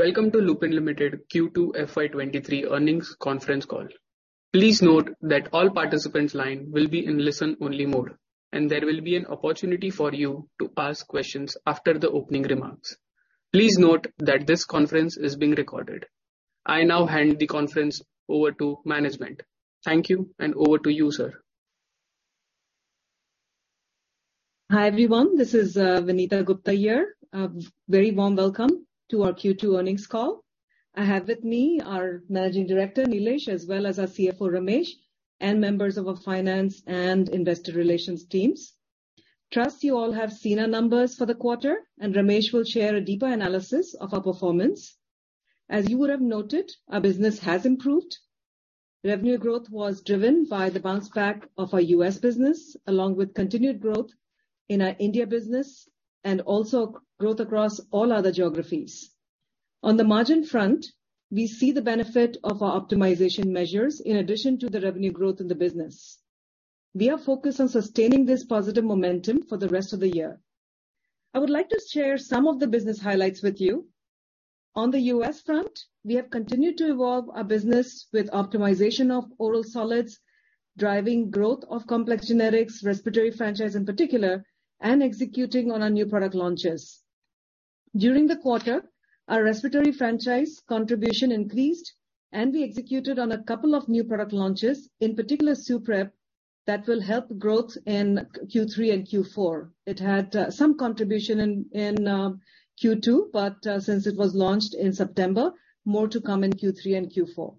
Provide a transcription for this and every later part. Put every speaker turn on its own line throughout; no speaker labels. Welcome to Lupin Limited Q2 FY23 earnings conference call. Please note that all participants line will be in listen-only mode, and there will be an opportunity for you to ask questions after the opening remarks. Please note that this conference is being recorded. I now hand the conference over to management. Thank you, and over to you, sir.
Hi, everyone. This is Vinita Gupta here. Very warm welcome to our Q2 earnings call. I have with me our Managing Director, Nilesh, as well as our CFO, Ramesh, and members of our finance and investor relations teams. Trust you all have seen our numbers for the quarter, and Ramesh will share a deeper analysis of our performance. As you would have noted, our business has improved. Revenue growth was driven by the bounce back of our U.S. business, along with continued growth in our India business, and also growth across all other geographies. On the margin front, we see the benefit of our optimization measures in addition to the revenue growth in the business. We are focused on sustaining this positive momentum for the rest of the year. I would like to share some of the business highlights with you. On the US front, we have continued to evolve our business with optimization of oral solids, driving growth of complex generics, respiratory franchise in particular, and executing on our new product launches. During the quarter, our respiratory franchise contribution increased, and we executed on a couple of new product launches, in particular, Suprep, that will help growth in Q3 and Q4. It had some contribution in Q2, but since it was launched in September, more to come in Q3 and Q4.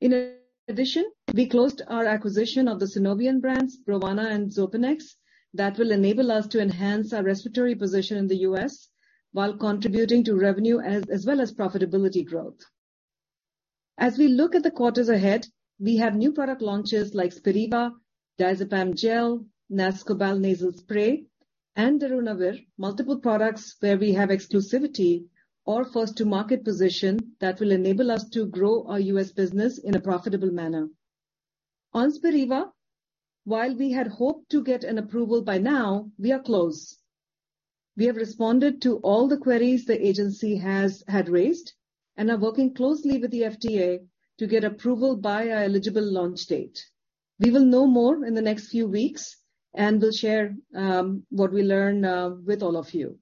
In addition, we closed our acquisition of the Sunovion brands, Brovana and Xopenex, that will enable us to enhance our respiratory position in the US while contributing to revenue as well as profitability growth. As we look at the quarters ahead, we have new product launches like Spiriva, diazepam gel, Nascobal nasal spray, and darunavir, multiple products where we have exclusivity or first to market position that will enable us to grow our U.S. business in a profitable manner. On Spiriva, while we had hoped to get an approval by now, we are close. We have responded to all the queries the agency has had raised, and are working closely with the FDA to get approval by our eligible launch date. We will know more in the next few weeks, and we'll share what we learn with all of you.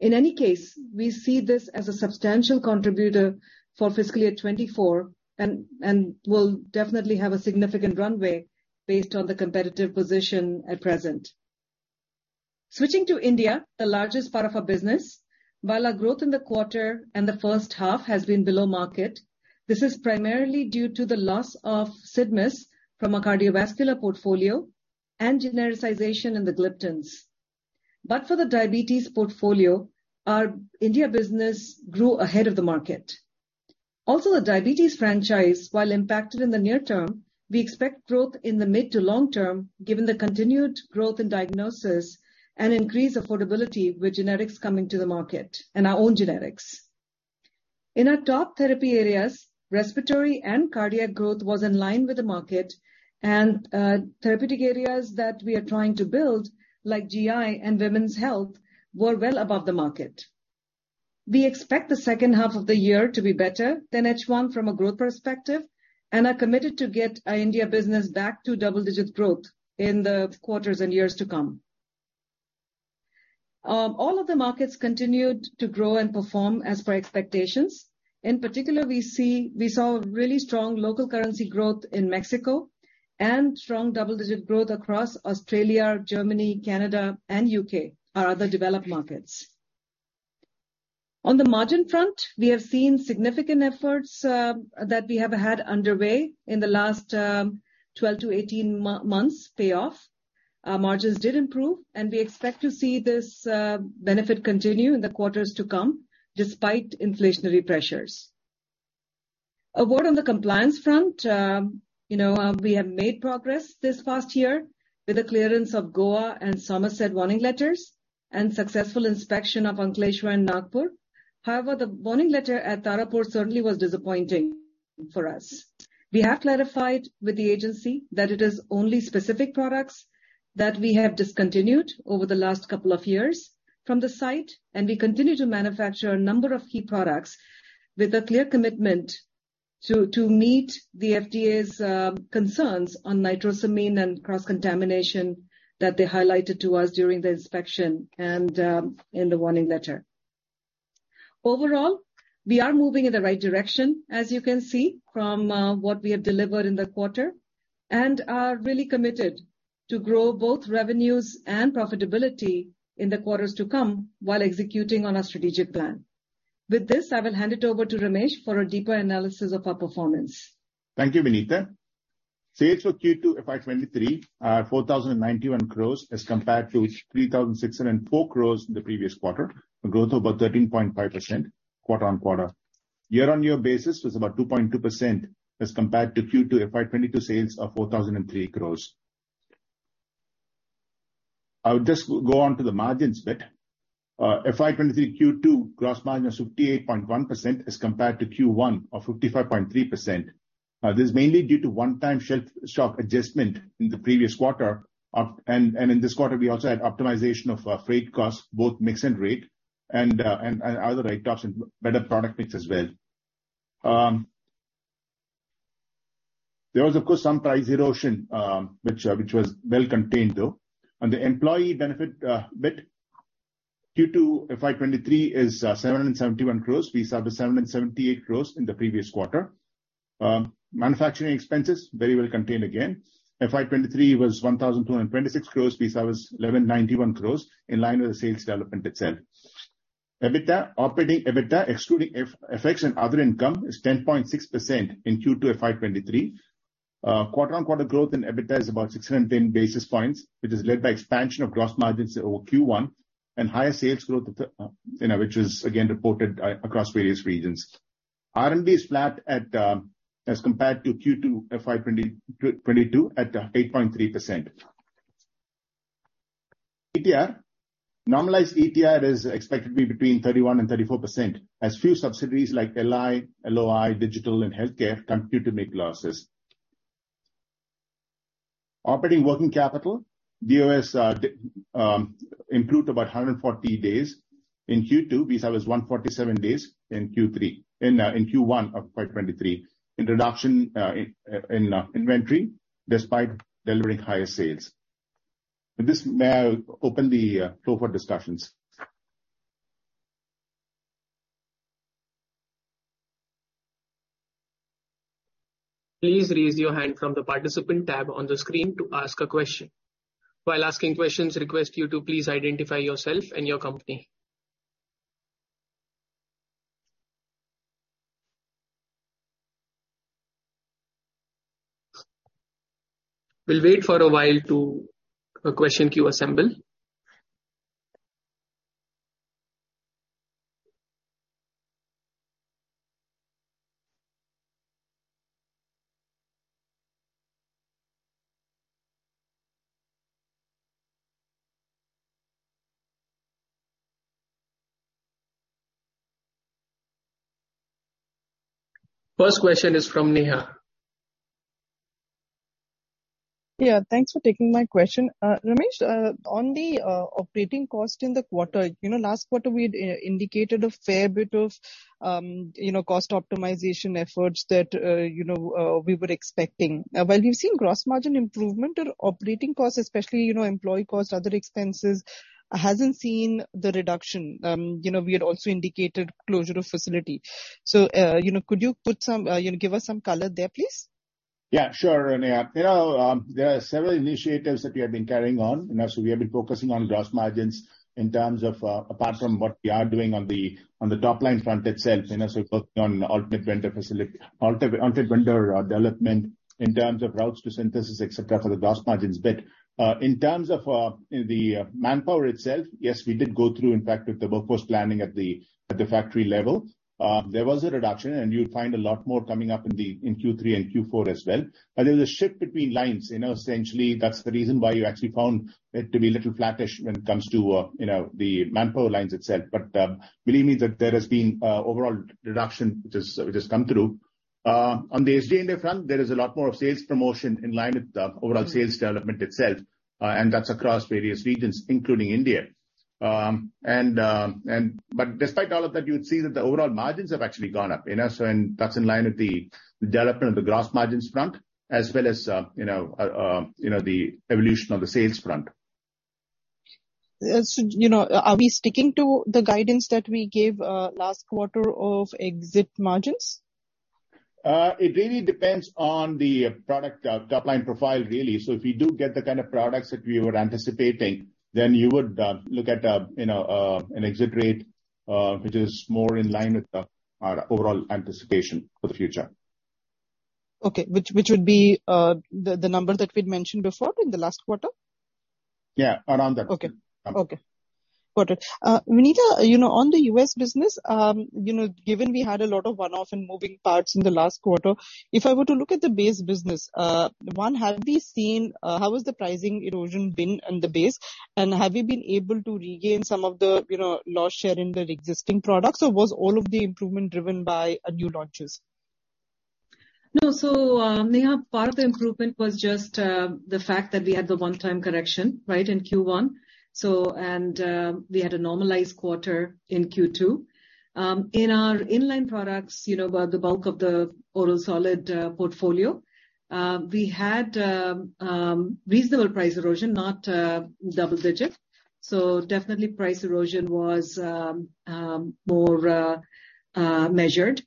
In any case, we see this as a substantial contributor for fiscal year 2024 and will definitely have a significant runway based on the competitive position at present. Switching to India, the largest part of our business. While our growth in the quarter and the first half has been below market, this is primarily due to the loss of Cidmus from our cardiovascular portfolio and genericization in the gliptins. For the diabetes portfolio, our India business grew ahead of the market. Also the diabetes franchise, while impacted in the near term, we expect growth in the mid to long term given the continued growth in diagnosis and increased affordability with generics coming to the market and our own generics. In our top therapy areas, respiratory and cardiac growth was in line with the market and therapeutic areas that we are trying to build, like GI and women's health, were well above the market. We expect the second half of the year to be better than H1 from a growth perspective and are committed to get our India business back to double-digit growth in the quarters and years to come. All of the markets continued to grow and perform as per expectations. In particular, we saw a really strong local currency growth in Mexico and strong double-digit growth across Australia, Germany, Canada, and U.K., our other developed markets. On the margin front, we have seen significant efforts that we have had underway in the last 12 to 18 months pay off. Our margins did improve, and we expect to see this benefit continue in the quarters to come despite inflationary pressures. A word on the compliance front. You know, we have made progress this past year with the clearance of Goa and Somerset warning letters and successful inspection of Ankleshwar and Nagpur. However, the warning letter at Tarapur certainly was disappointing for us. We have clarified with the agency that it is only specific products that we have discontinued over the last couple of years from the site, and we continue to manufacture a number of key products with a clear commitment to meet the FDA's concerns on nitrosamine and cross-contamination that they highlighted to us during the inspection and in the warning letter. Overall, we are moving in the right direction, as you can see from what we have delivered in the quarter, and are really committed to grow both revenues and profitability in the quarters to come while executing on our strategic plan. With this, I will hand it over to Ramesh for a deeper analysis of our performance.
Thank you, Vinita. Sales for Q2 FY23 are 4,091 crore as compared to 3,604 crore in the previous quarter, a growth of about 13.5% quarter-on-quarter. Year-on-year basis was about 2.2% as compared to Q2 FY22 sales of 4,003 crore. I would just go on to the margins bit. FY23 Q2 gross margin was 58.1% as compared to Q1 of 55.3%. This is mainly due to one-time shelf stock adjustment in the previous quarter. In this quarter we also had optimization of freight costs, both mix and rate and other rate terms and better product mix as well. There was of course some price erosion, which was well contained though. On the employee benefit bit Q2 FY23 is 771 crore. We saw the 778 crore in the previous quarter. Manufacturing expenses very well contained again. FY23 was 1,226 crore. We saw it was 1,191 crore in line with the sales development itself. EBITDA, operating EBITDA excluding FX and other income is 10.6% in Q2 FY23. Quarter-on-quarter growth in EBITDA is about 610 basis points, which is led by expansion of gross margins over Q1 and higher sales growth at the, you know, which was again reported across various regions. R&D is flat at, as compared to Q2 FY 2022 at, 8.3%. ETR. Normalized ETR is expected to be between 31% and 34% as few subsidiaries like LI, LOI, digital and healthcare continue to make losses. Operating working capital. DOS improved about 140 days in Q2. We saw it was 147 days in Q1 of FY 2023. Reduction in inventory despite delivering higher sales. With this, may I open the floor for discussions?
Please raise your hand from the participant tab on the screen to ask a question. While asking questions, request you to please identify yourself and your company. We'll wait for a while. First question is from Neha.
Yeah, thanks for taking my question. Ramesh, on the operating cost in the quarter, you know, last quarter we'd indicated a fair bit of, you know, cost optimization efforts that, you know, we were expecting. While we've seen gross margin improvement or operating costs especially, you know, employee costs, other expenses hasn't seen the reduction. You know, we had also indicated closure of facility. Could you give us some color there, please?
Yeah, sure, Neha. You know, there are several initiatives that we have been carrying on. You know, we have been focusing on gross margins in terms of, apart from what we are doing on the top-line front itself. You know, we're working on alternate vendor development in terms of routes to synthesis, et cetera, for the gross margins. In terms of, you know, the manpower itself, yes, we did go through in fact with the workforce planning at the factory level. There was a reduction, and you'd find a lot more coming up in Q3 and Q4 as well. There's a shift between lines. You know, essentially that's the reason why you actually found it to be a little flattish when it comes to, you know, the manpower lines itself. Believe me that there has been overall reduction which has come through. On the SD&A front, there is a lot more of sales promotion in line with the overall sales development itself, and that's across various regions, including India. Despite all of that, you would see that the overall margins have actually gone up. You know, that's in line with the development of the gross margins front as well as, you know, the evolution of the sales front.
You know, are we sticking to the guidance that we gave last quarter of exit margins?
It really depends on the product, top-line profile really. If we do get the kind of products that we were anticipating, then you would look at, you know, an exit rate, which is more in line with our overall anticipation for the future.
Okay. Which would be the number that we'd mentioned before in the last quarter?
Yeah. Around that.
Okay. Got it. Vinita, you know, on the U.S. business, you know, given we had a lot of one-off and moving parts in the last quarter, if I were to look at the base business, one, have we seen how has the pricing erosion been on the base? And have you been able to regain some of the, you know, lost share in the existing products, or was all of the improvement driven by new launches?
No. Neha, part of the improvement was just the fact that we had the one-time correction, right, in Q1, and we had a normalized quarter in Q2. In our in-line products, you know, about the bulk of the oral solid portfolio, we had reasonable price erosion, not double digit. Definitely price erosion was more measured.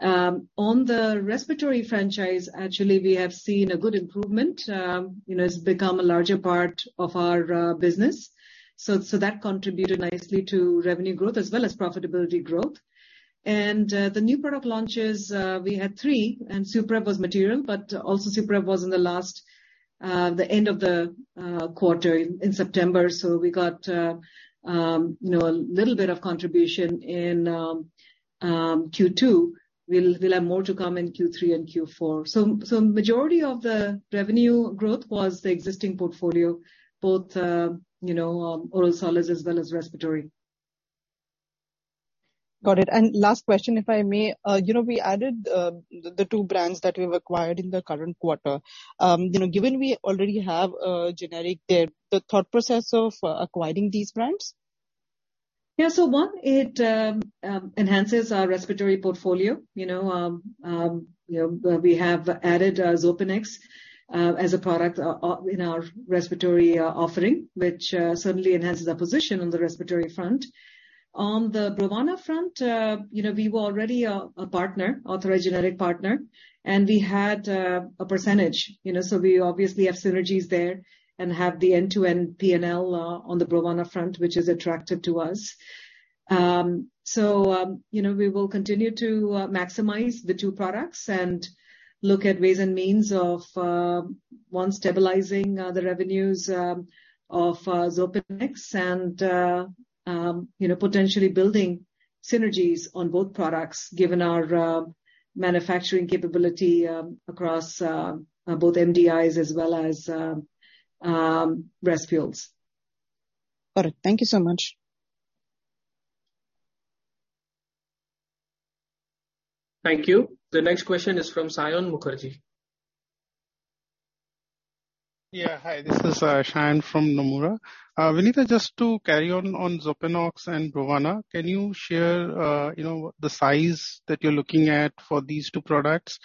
On the respiratory franchise, actually we have seen a good improvement. You know, it's become a larger part of our business. That contributed nicely to revenue growth as well as profitability growth. The new product launches, we had three, and Suprep was material, but also Suprep was in the last, the end of the quarter in September. We got, you know, a little bit of contribution in Q2. We'll have more to come in Q3 and Q4. Majority of the revenue growth was the existing portfolio, both, you know, oral solids as well as respiratory.
Got it. Last question, if I may. We added the two brands that we've acquired in the current quarter. Given we already have a generic there, the thought process of acquiring these brands?
It enhances our respiratory portfolio. You know, we have added Xopenex as a product in our respiratory offering, which certainly enhances our position on the respiratory front. On the Brovana front, you know, we were already a partner, authorized generic partner, and we had a percentage, you know. We obviously have synergies there and have the end-to-end PNL on the Brovana front, which is attractive to us. You know, we will continue to maximize the two products and look at ways and means of stabilizing the revenues of Xopenex and potentially building synergies on both products given our manufacturing capability across both MDIs as well as respules.
Got it. Thank you so much.
Thank you. The next question is from Saion Mukherjee.
Yeah, hi. This is Saion from Nomura. Vinita, just to carry on Xopenex and Brovana, can you share the size that you're looking at for these two products?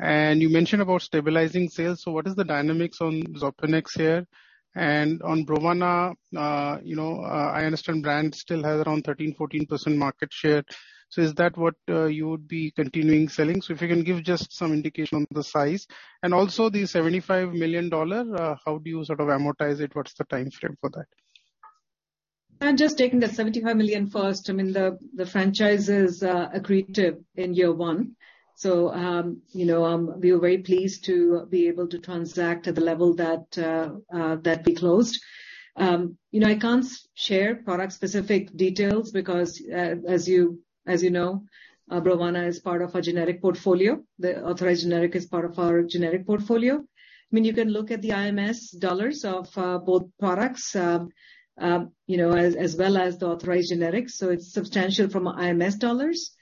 You mentioned about stabilizing sales, so what is the dynamics on Xopenex here? On Brovana, I understand brand still has around 13%-14% market share. So is that what you would be continuing selling? So if you can give just some indication on the size. Also the $75 million, how do you sort of amortize it? What's the timeframe for that?
Just taking the $75 million first, I mean, the franchise is accretive in year one. You know, we are very pleased to be able to transact at the level that we closed. You know, I can't share product specific details because, as you know, Brovana is part of our generic portfolio. The authorized generic is part of our generic portfolio. I mean, you can look at the IMS dollars of both products, you know, as well as the authorized generic. It's substantial from IMS dollars.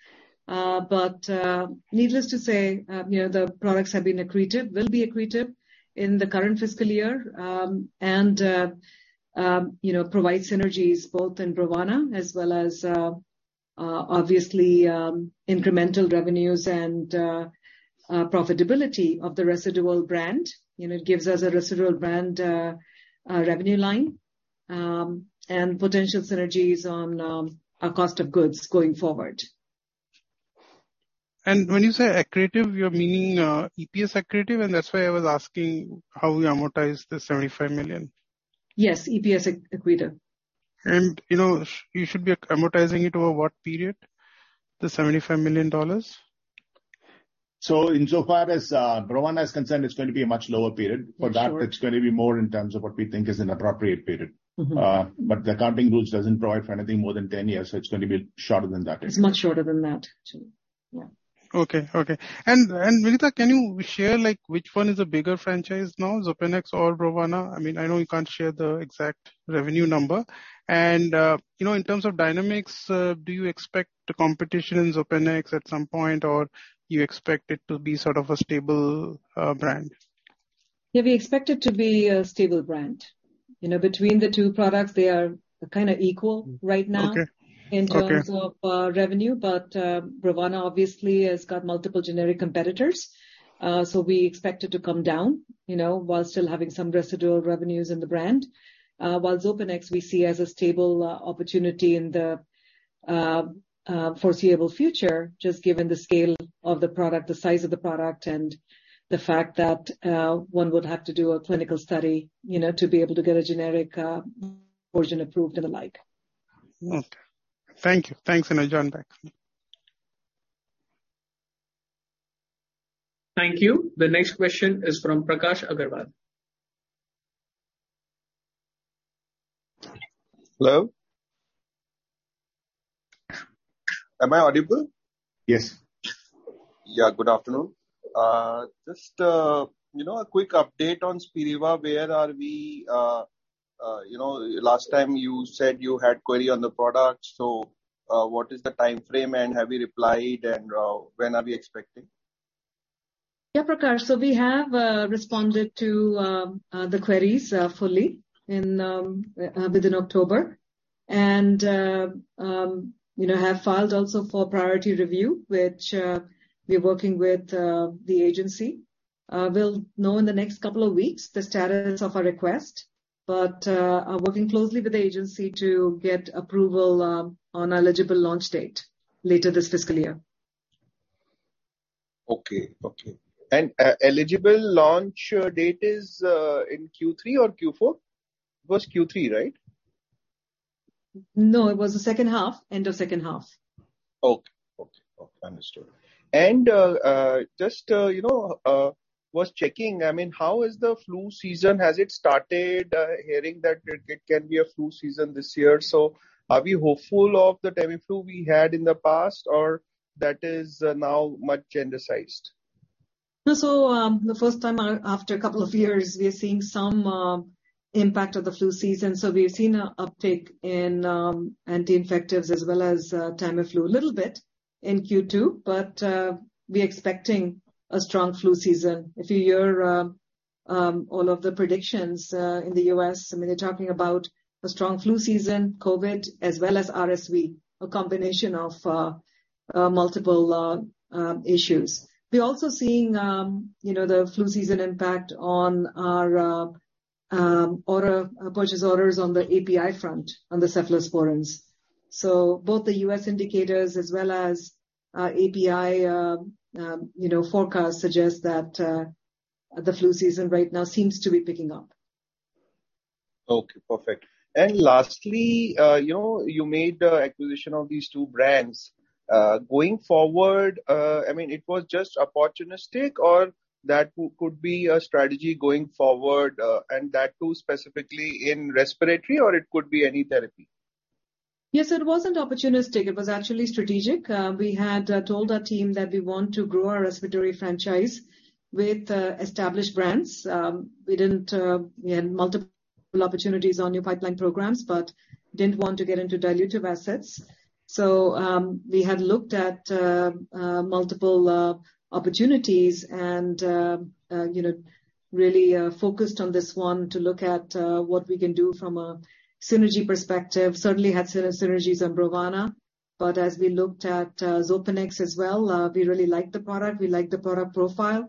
Needless to say, you know, the products have been accretive, will be accretive in the current fiscal year. You know, provide synergies both in Brovana as well as obviously incremental revenues and profitability of the residual brand. You know, it gives us a residual brand revenue line and potential synergies on our cost of goods going forward.
When you say accretive, you're meaning EPS accretive, and that's why I was asking how we amortize the $75 million.
Yes. EPS accretive.
You know, you should be amortizing it over what period, the $75 million?
Insofar as Brovana is concerned, it's going to be a much lower period.
For sure.
For that, it's gonna be more in terms of what we think is an appropriate period.
Mm-hmm.
The accounting rules doesn't provide for anything more than 10 years, so it's going to be shorter than that anyway.
It's much shorter than that. Yeah.
Vinita, can you share, like, which one is a bigger franchise now, Xopenex or Brovana? I mean, I know you can't share the exact revenue number. You know, in terms of dynamics, do you expect competition in Xopenex at some point, or you expect it to be sort of a stable brand?
Yeah, we expect it to be a stable brand. You know, between the two products, they are kinda equal right now.
Okay.
in terms of revenue. Brovana obviously has got multiple generic competitors. We expect it to come down, you know, while still having some residual revenues in the brand. While Xopenex we see as a stable opportunity in the foreseeable future, just given the scale of the product, the size of the product, and the fact that one would have to do a clinical study, you know, to be able to get a generic version approved and the like.
Okay. Thank you. Thanks. I'll join back.
Thank you. The next question is from Prakash Agarwal.
Hello? Am I audible?
Yes.
Yeah, good afternoon. Just, you know, a quick update on Spiriva, where are we, you know, last time you said you had query on the product, so, what is the timeframe, and have you replied, and when are we expecting?
Yeah, Prakash. We have responded to the queries fully within October. We have filed also for priority review, which we're working with the agency. We'll know in the next couple of weeks the status of our request. We are working closely with the agency to get approval on eligible launch date later this fiscal year.
Okay. Eligible launch date is in Q3 or Q4? It was Q3, right?
No, it was the second half, end of second half.
Understood. Just, you know, was checking, I mean, how is the flu season? Has it started? Hearing that it can be a flu season this year. Are we hopeful of the Tamiflu we had in the past or that is now much endemicized?
No. The first time after a couple of years, we are seeing some impact of the flu season. We've seen an uptick in anti-infectives as well as Tamiflu a little bit in Q2. We're expecting a strong flu season. If you hear all of the predictions in the U.S., I mean, they're talking about a strong flu season, COVID, as well as RSV. A combination of multiple issues. We're also seeing you know, the flu season impact on our purchase orders on the API front, on the cephalosporins. Both the U.S. indicators as well as API you know, forecasts suggest that the flu season right now seems to be picking up.
Okay, perfect. Lastly, you know, you made the acquisition of these two brands. Going forward, I mean, it was just opportunistic or that could be a strategy going forward, and that too, specifically in respiratory or it could be any therapy?
Yes, it wasn't opportunistic. It was actually strategic. We had told our team that we want to grow our respiratory franchise with established brands. We didn't you know multiple opportunities on new pipeline programs, but didn't want to get into dilutive assets. We had looked at multiple opportunities and you know really focused on this one to look at what we can do from a synergy perspective. Certainly had synergies on Brovana. As we looked at Xopenex as well we really like the product. We like the product profile.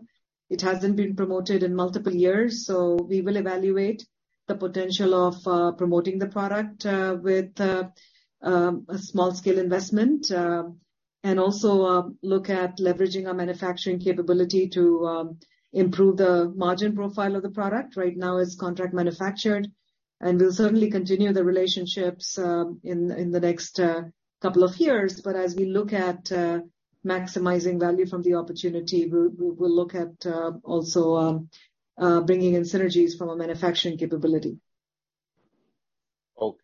It hasn't been promoted in multiple years, so we will evaluate the potential of promoting the product with a small scale investment. Look at leveraging our manufacturing capability to improve the margin profile of the product. Right now it's contract manufactured and we'll certainly continue the relationships in the next couple of years. As we look at maximizing value from the opportunity, we'll look at also bringing in synergies from a manufacturing capability.
Okay,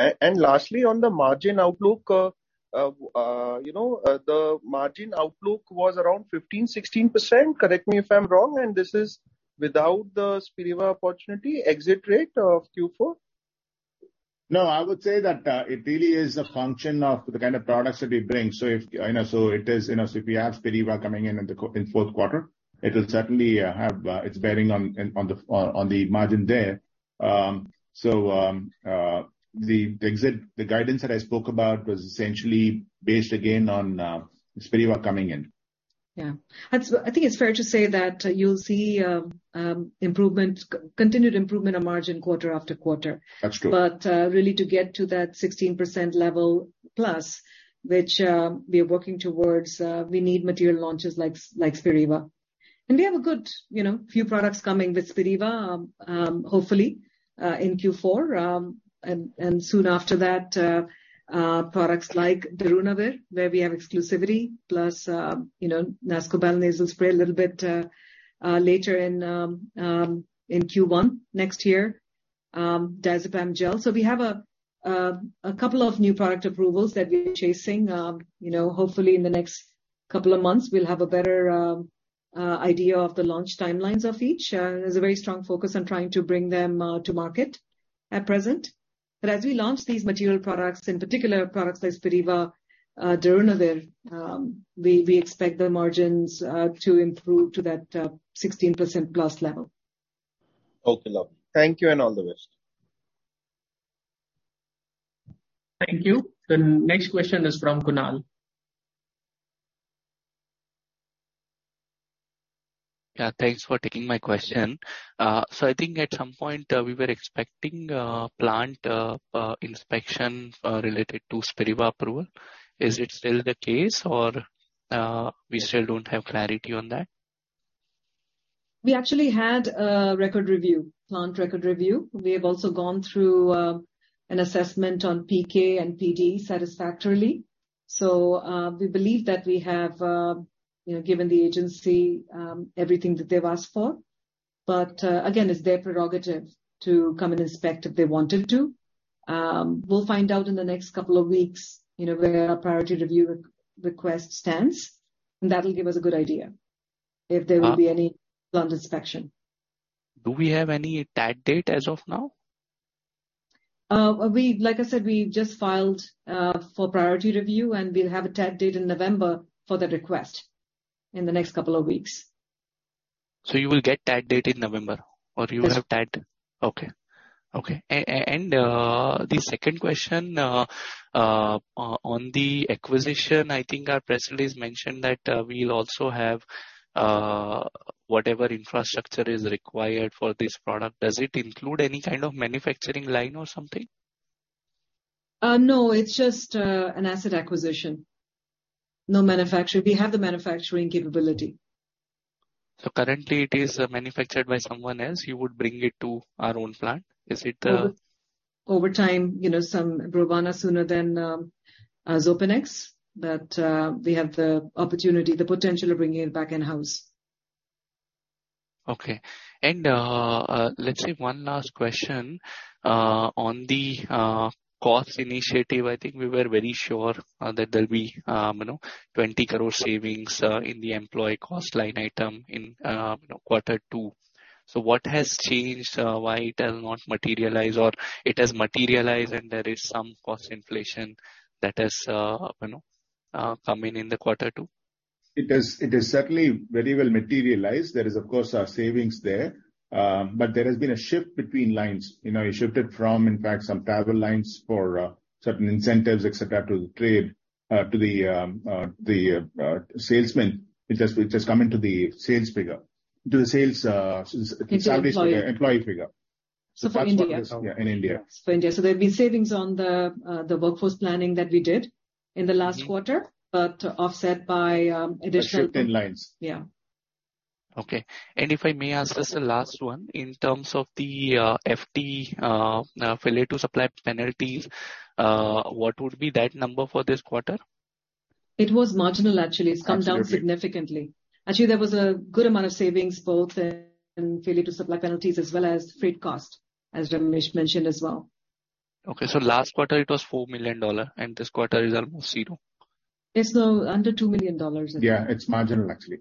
great. Lastly, on the margin outlook, you know, the margin outlook was around 15%-16%. Correct me if I'm wrong, and this is without the Spiriva opportunity exit rate of Q4.
No, I would say that it really is a function of the kind of products that we bring. If you know we have Spiriva coming in in the fourth quarter, it will certainly have its bearing on the margin there. The exit guidance that I spoke about was essentially based again on Spiriva coming in.
Yeah. That's, I think, fair to say that you'll see continued improvement on margin quarter after quarter.
That's true.
Really to get to that 16% level plus, which we are working towards, we need material launches like Spiriva. We have a good, you know, few products coming with Spiriva, hopefully in Q4. And soon after that, products like Darunavir, where we have exclusivity, plus, you know, Nascobal nasal spray a little bit later in Q1 next year. Diazepam gel. We have a couple of new product approvals that we're chasing. You know, hopefully in the next couple of months we'll have a better idea of the launch timelines of each. There's a very strong focus on trying to bring them to market at present. As we launch these material products, in particular products like Spiriva, Darunavir, we expect the margins to improve to that 16% plus level.
Okay, lovely. Thank you and all the best.
Thank you. The next question is from Kunal.
Yeah, thanks for taking my question. I think at some point we were expecting plant inspection related to Spiriva approval. Is it still the case or we still don't have clarity on that?
We actually had a record review, plant record review. We have also gone through an assessment on PK and PD satisfactorily. We believe that we have you know given the agency everything that they've asked for. Again, it's their prerogative to come and inspect if they wanted to. We'll find out in the next couple of weeks, you know, where our priority review re-request stands, and that'll give us a good idea if there will be any plant inspection.
Do we have any target date as of now?
Like I said, we just filed for priority review, and we'll have a target date in November for the request in the next couple of weeks.
You will get target date in November.
Yes.
Okay, the second question on the acquisition, I think our president mentioned that we'll also have whatever infrastructure is required for this product. Does it include any kind of manufacturing line or something?
No, it's just an asset acquisition. No manufacturing. We have the manufacturing capability.
Currently it is manufactured by someone else. You would bring it to our own plant. Is it?
Over time, you know, some Brovana sooner than Xopenex. We have the opportunity, the potential of bringing it back in-house.
Okay. Let's say one last question on the cost initiative. I think we were very sure that there'll be, you know, 20 crore savings in the employee cost line item in, you know, quarter two. What has changed? Why it has not materialized, or it has materialized and there is some cost inflation that has, you know, come in in the quarter two?
It has certainly very well materialized. There is, of course, savings there, but there has been a shift between lines. You know, it shifted from, in fact, some travel lines for certain incentives, et cetera, to trade to the salesman, which has come into the sales figure.
Employee.
Employee figure.
For India.
Yeah, in India.
For India. There have been savings on the workforce planning that we did in the last quarter.
Mm-hmm.
Offset by.
A shift in lines.
Yeah.
Okay. If I may ask just a last one, in terms of the FTS failure to supply penalties, what would be that number for this quarter?
It was marginal, actually.
Absolutely.
It's come down significantly. Actually, there was a good amount of savings both in failure to supply penalties as well as freight costs, as Ramesh mentioned as well.
Last quarter it was $4 million, and this quarter is almost $0.
It's under $2 million.
Yeah. It's marginal, actually.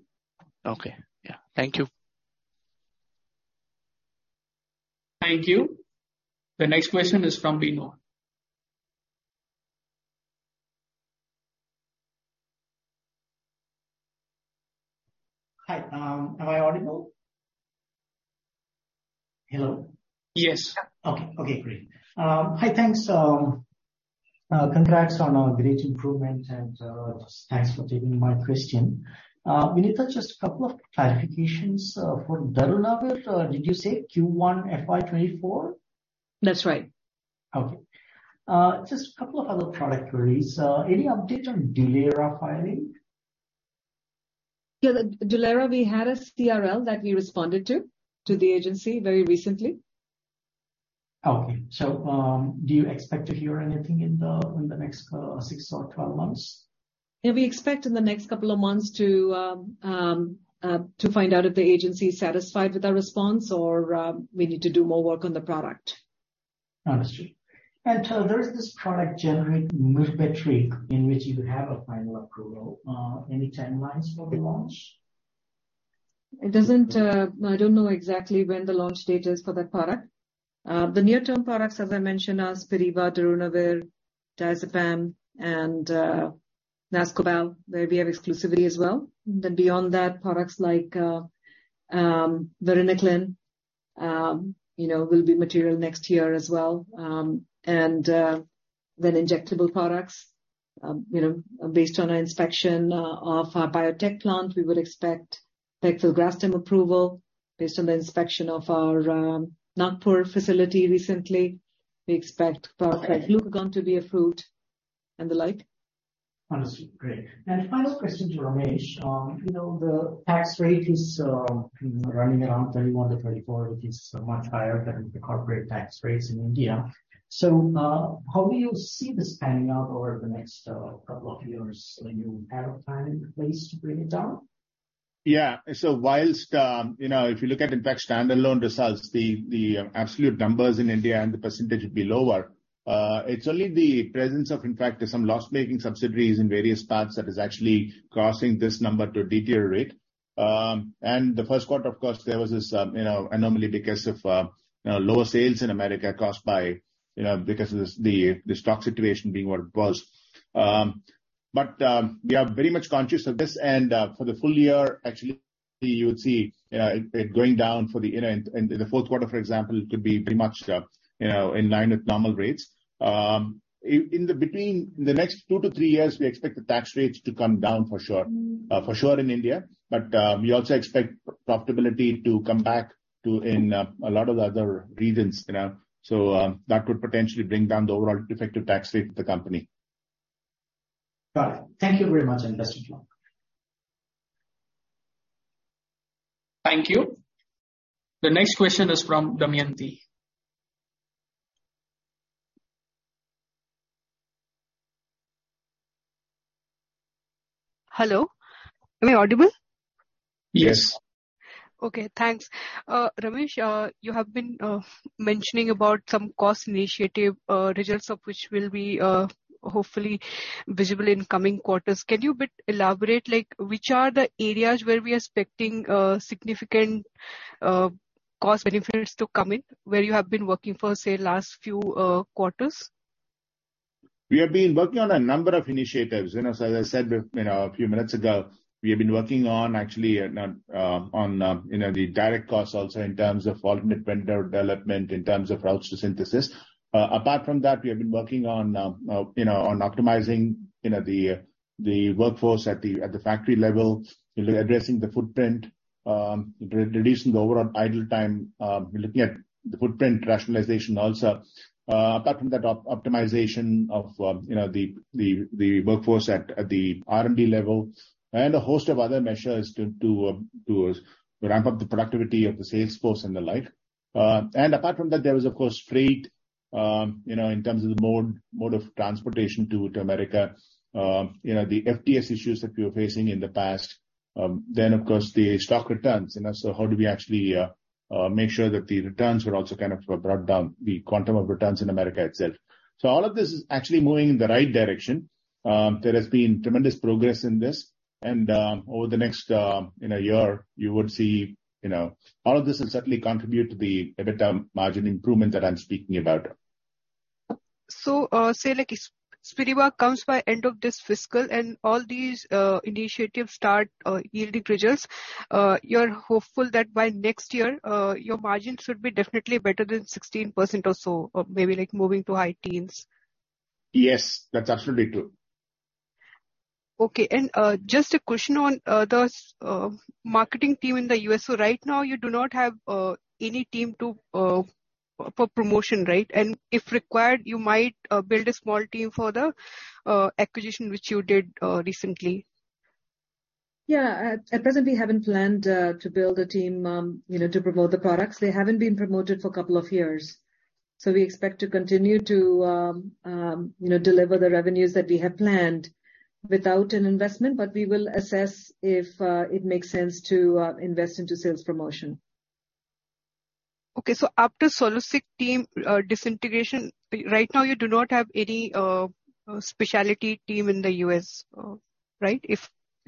Okay. Yeah. Thank you.
Thank you. The next question is from Dino.
Hi, am I audible? Hello?
Yes.
Okay, great. Hi, thanks. Congrats on a great improvement and thanks for taking my question. Vinita, just a couple of clarifications. For Darunavir, did you say Q1 FY 2024?
That's right.
Okay. Just a couple of other product queries. Any update on Dulera filing?
Yeah. Dulera, we had a CRL that we responded to the agency very recently.
Okay, do you expect to hear anything in the next 6 or 12 months?
Yeah, we expect in the next couple of months to find out if the agency is satisfied with our response or we need to do more work on the product.
Understood. There is this product, generic Myrbetriq, in which you have a final approval. Any timelines for the launch?
It doesn't, I don't know exactly when the launch date is for that product. The near-term products, as I mentioned, are Spiriva, Darunavir, diazepam and Nascobal, where we have exclusivity as well. Beyond that, products like Vernakalant, you know, will be material next year as well. Injectable products, you know, based on our inspection of our biotech plant, we would expect pegfilgrastim approval based on the inspection of our Nagpur facility recently. We expect glucagon to be approved and the like.
Understood. Great. Final question to Ramesh. You know, the tax rate is running around 31%-34%, which is much higher than the corporate tax rates in India. How do you see this panning out over the next couple of years when you have a plan in place to bring it down?
While, if you look at Lupin standalone results, the absolute numbers in India and the percentage would be lower. It's only the presence of, in fact, some loss-making subsidiaries in various parts that is actually causing this number to deteriorate. In the first quarter, of course, there was this anomaly because of lower sales in America caused by because of the stock situation being what it was. We are very much conscious of this. For the full year, actually, you would see it going down. In the fourth quarter, for example, it could be pretty much in line with normal rates. In the next 2-3 years, we expect the tax rates to come down for sure in India. We also expect profitability to come back to in a lot of the other regions, you know. That could potentially bring down the overall effective tax rate of the company.
Got it. Thank you very much, and best of luck.
Thank you. The next question is from Damayanti.
Hello, am I audible?
Yes.
Okay, thanks. Ramesh, you have been mentioning about some cost initiative, results of which will be hopefully visible in coming quarters. Can you a bit elaborate, like which are the areas where we are expecting significant cost benefits to come in, where you have been working for, say, last few quarters?
We have been working on a number of initiatives. You know, as I said, you know, a few minutes ago, we have been working on actually, on, you know, the direct costs also in terms of alternate vendor development, in terms of routes to synthesis. Apart from that, we have been working on, you know, on optimizing, you know, the workforce at the factory level, you know, addressing the footprint, reducing the overall idle time, looking at the footprint rationalization also. Apart from that, optimization of, you know, the workforce at the R&D level, and a host of other measures to ramp up the productivity of the sales force and the like. Apart from that, there was of course freight. You know, in terms of the mode of transportation to America. You know, the FTS issues that we were facing in the past. Of course, the stock returns. You know, how do we actually make sure that the returns were also kind of brought down, the quantum of returns in America itself. All of this is actually moving in the right direction. There has been tremendous progress in this, and over the next year, you would see. All of this will certainly contribute to the EBITDA margin improvement that I'm speaking about.
Say, like, Spiriva comes by end of this fiscal, and all these initiatives start yielding results. You're hopeful that by next year, your margins should be definitely better than 16% or so, or maybe, like, moving to high teens.
Yes. That's absolutely true.
Okay. Just a question on the marketing team in the U.S. Right now, you do not have any team for promotion, right? If required, you might build a small team for the acquisition which you did recently.
Yeah. At present, we haven't planned to build a team, you know, to promote the products. They haven't been promoted for a couple of years. We expect to continue to, you know, deliver the revenues that we have planned without an investment. We will assess if it makes sense to invest into sales promotion.
Okay. After Solosec team disintegration, right now you do not have any specialty team in the U.S., right?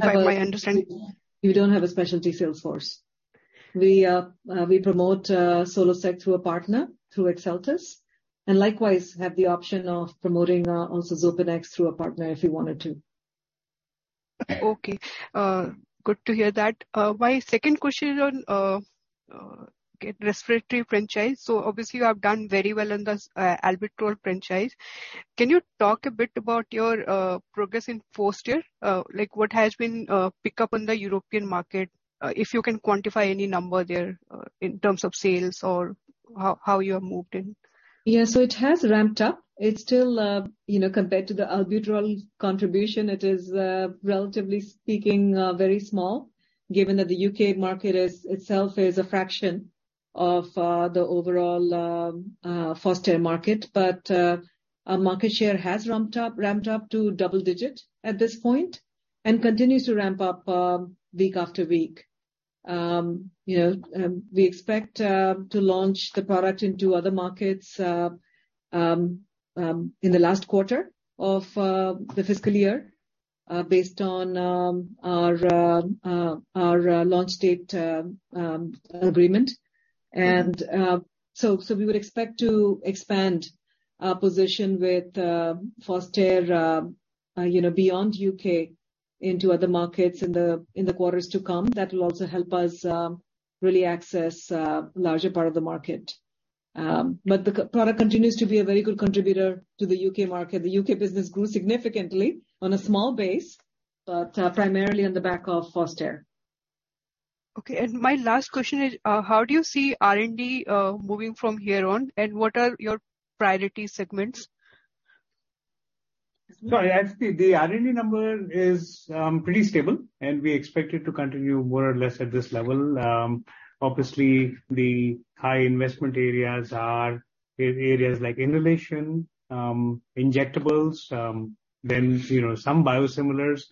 No
By my understanding.
We don't have a specialty sales force. We promote Solosec through a partner, through Exeltis, and likewise have the option of promoting also Xopenex through a partner if we wanted to.
Okay. Good to hear that. My second question on the respiratory franchise. Obviously, you have done very well in the Albuterol franchise. Can you talk a bit about your progress in Fostair? Like, what has been the pick-up in the European market, if you can quantify any number there, in terms of sales or how you have moved in?
Yeah. It has ramped up. It's still, you know, compared to the Albuterol contribution, it is relatively speaking very small, given that the UK market itself is a fraction of the overall Fostair market. Our market share has ramped up to double digit at this point and continues to ramp up week after week. You know, we expect to launch the product into other markets in the last quarter of the fiscal year based on our launch date agreement. We would expect to expand our position with Fostair you know beyond UK into other markets in the quarters to come. That will also help us really access larger part of the market. The key product continues to be a very good contributor to the U.K. market. The U.K. business grew significantly on a small base, but primarily on the back of Fostair.
Okay. My last question is, how do you see R&D moving from here on, and what are your priority segments?
Sorry. Actually, the R&D number is pretty stable, and we expect it to continue more or less at this level. Obviously the high investment areas are areas like inhalation, injectables, then, you know, some biosimilars,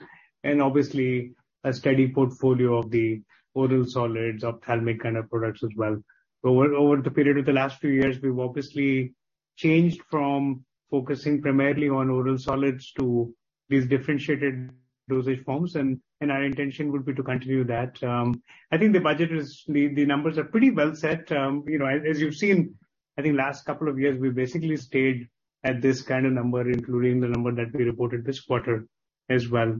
and obviously a steady portfolio of the oral solids, ophthalmic kind of products as well. Over the period of the last few years, we've obviously changed from focusing primarily on oral solids to these differentiated dosage forms, and our intention would be to continue that. I think the budget is. The numbers are pretty well set. You know, as you've seen, I think last couple of years, we've basically stayed at this kind of number, including the number that we reported this quarter as well.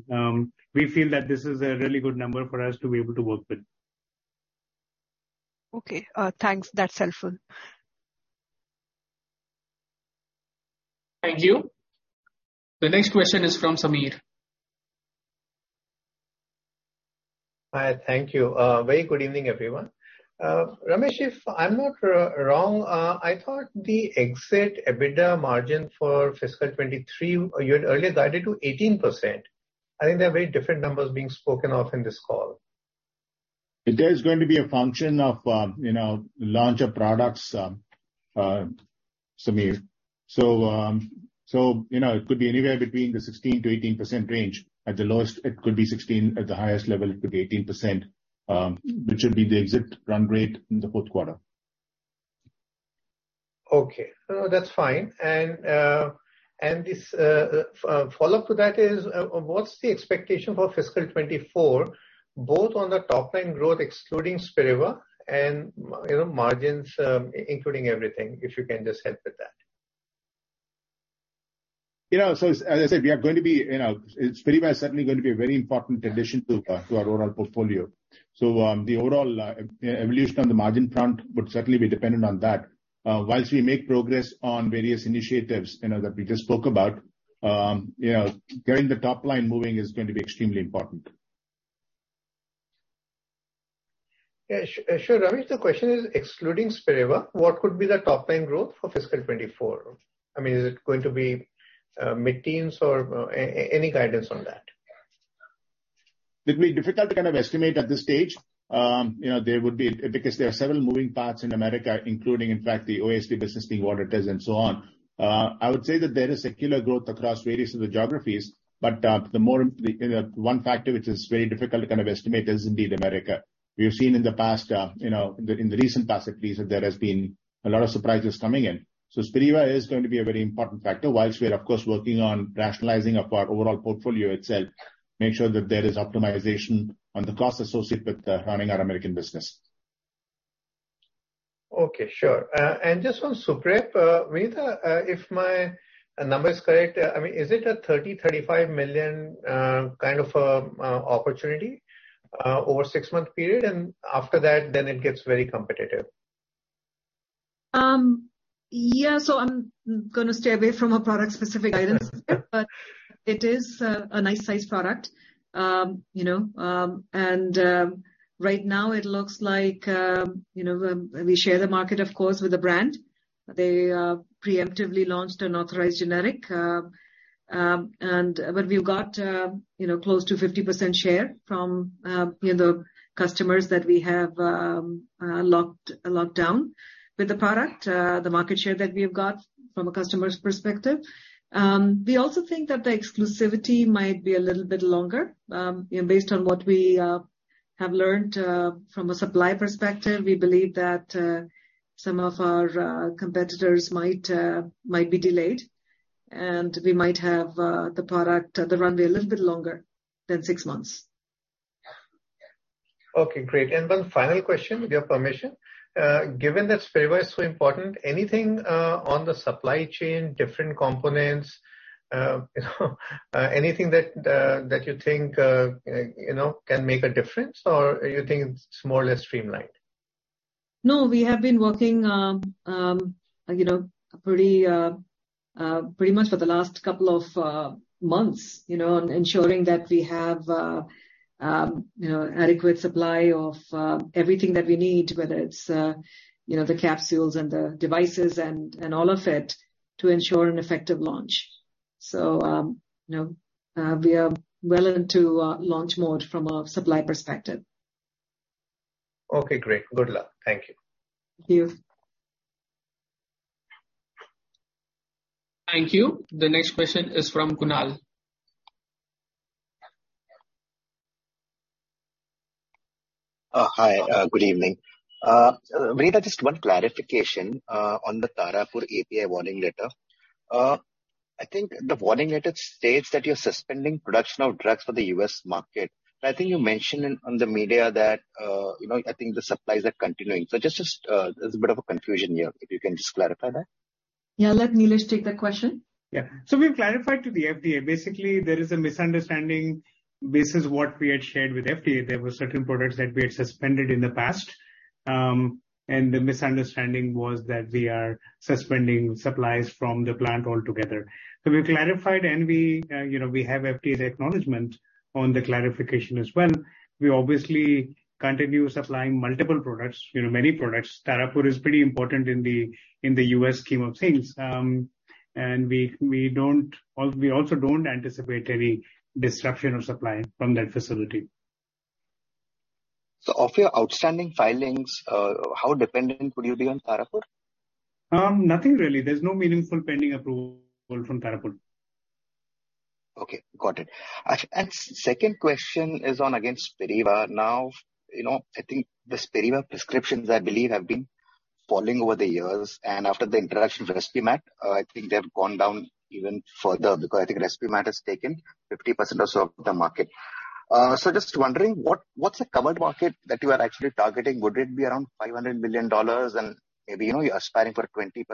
We feel that this is a really good number for us to be able to work with.
Okay. Thanks. That's helpful.
Thank you. The next question is from Sameer.
Hi. Thank you. Very good evening, everyone. Ramesh, if I'm not wrong, I thought the exit EBITDA margin for fiscal 2023, you had earlier guided to 18%. I think there are very different numbers being spoken of in this call.
It is going to be a function of, you know, launch of products, Sameer. You know, it could be anywhere between the 16%-18% range. At the lowest it could be 16%, at the highest level it could be 18%, which will be the exit run rate in the fourth quarter.
Okay. No, that's fine. This follow-up to that is what's the expectation for fiscal 2024, both on the top line growth excluding Spiriva and, you know, margins, including everything? If you can just help with that.
You know, as I said, we are going to be. You know, Spiriva is certainly going to be a very important addition to our overall portfolio. The overall evolution on the margin front would certainly be dependent on that. Whilst we make progress on various initiatives, you know, that we just spoke about, you know, getting the top line moving is going to be extremely important.
Sure, Ramesh. The question is excluding Spiriva, what could be the top line growth for fiscal 2024? I mean, is it going to be mid-teens or any guidance on that?
It'd be difficult to kind of estimate at this stage, you know, there would be because there are several moving parts in America, including, in fact, the OSD business being what it is and so on. I would say that there is secular growth across various other geographies, but the one factor which is very difficult to kind of estimate is indeed America. We've seen in the past, you know, in the recent past at least, that there has been a lot of surprises coming in. Spiriva is going to be a very important factor whilst we are of course working on rationalizing of our overall portfolio itself, make sure that there is optimization on the costs associated with running our American business.
Okay. Sure. Just on Suprep, Vinita, if my number is correct, I mean, is it a $30-$35 million kind of opportunity over six-month period, and after that it gets very competitive?
Yeah. I'm gonna stay away from a product specific guidance but it is a nice size product. You know, right now it looks like you know we share the market of course with the brand. They preemptively launched an authorized generic. We've got you know close to 50% share from you know customers that we have locked down with the product. The market share that we have got from a customer's perspective. We also think that the exclusivity might be a little bit longer, you know, based on what we have learned from a supply perspective. We believe that some of our competitors might be delayed and we might have the product, the runway a little bit longer than six months.
Okay, great. One final question, with your permission. Given that Spiriva is so important, anything on the supply chain, different components, anything that you think, you know, can make a difference? Or you think it's more or less streamlined?
No, we have been working, you know, pretty much for the last couple of months, you know, on ensuring that we have, you know, adequate supply of everything that we need, whether it's, you know, the capsules and the devices and all of it, to ensure an effective launch. We are well into launch mode from a supply perspective.
Okay, great. Good luck. Thank you.
Thank you.
Thank you. The next question is from Kunal.
Hi. Good evening. Vinita, just one clarification on the Tarapur API warning letter. I think the warning letter states that you're suspending production of drugs for the U.S. market. I think you mentioned in the media that, you know, I think the supplies are continuing. Just there's a bit of a confusion here, if you can just clarify that.
Yeah, let Nilesh take that question.
Yeah. We've clarified to the FDA. Basically, there is a misunderstanding based on what we had shared with FDA. There were certain products that we had suspended in the past, and the misunderstanding was that we are suspending supplies from the plant altogether. We've clarified and we, you know, we have FDA's acknowledgement on the clarification as well. We obviously continue supplying multiple products, you know, many products. Tarapur is pretty important in the U.S. scheme of things. We also don't anticipate any disruption of supply from that facility.
Of your outstanding filings, how dependent would you be on Tarapur?
Nothing really. There's no meaningful pending approval from Tarapur.
Okay. Got it. Second question is on, again, Spiriva. Now, you know, I think the Spiriva prescriptions, I believe, have been falling over the years, and after the introduction of Respimat, I think they've gone down even further because I think Respimat has taken 50% or so of the market. Just wondering what's the covered market that you are actually targeting? Would it be around $500 million and maybe, you know, you're aspiring for a 20%,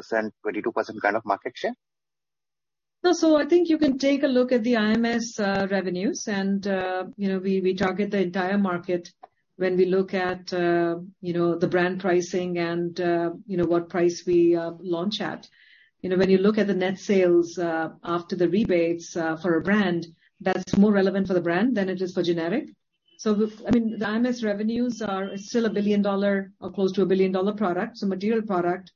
22% kind of market share?
No. I think you can take a look at the IMS revenues and, you know, we target the entire market when we look at, you know, the brand pricing and, you know, what price we launch at. You know, when you look at the net sales after the rebates for a brand, that's more relevant for the brand than it is for generic. I mean, the IMS revenues are still a billion-dollar or close to a billion-dollar product, so material product,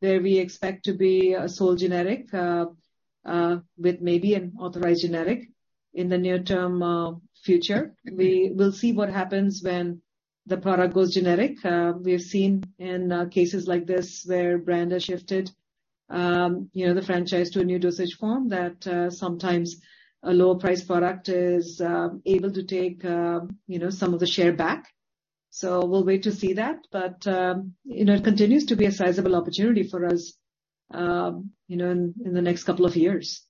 where we expect to be a sole generic with maybe an authorized generic in the near-term future. We will see what happens when the product goes generic. We've seen in cases like this where brand has shifted the franchise to a new dosage form that sometimes a lower priced product is able to take some of the share back. We'll wait to see that. It continues to be a sizable opportunity for us in the next couple of years.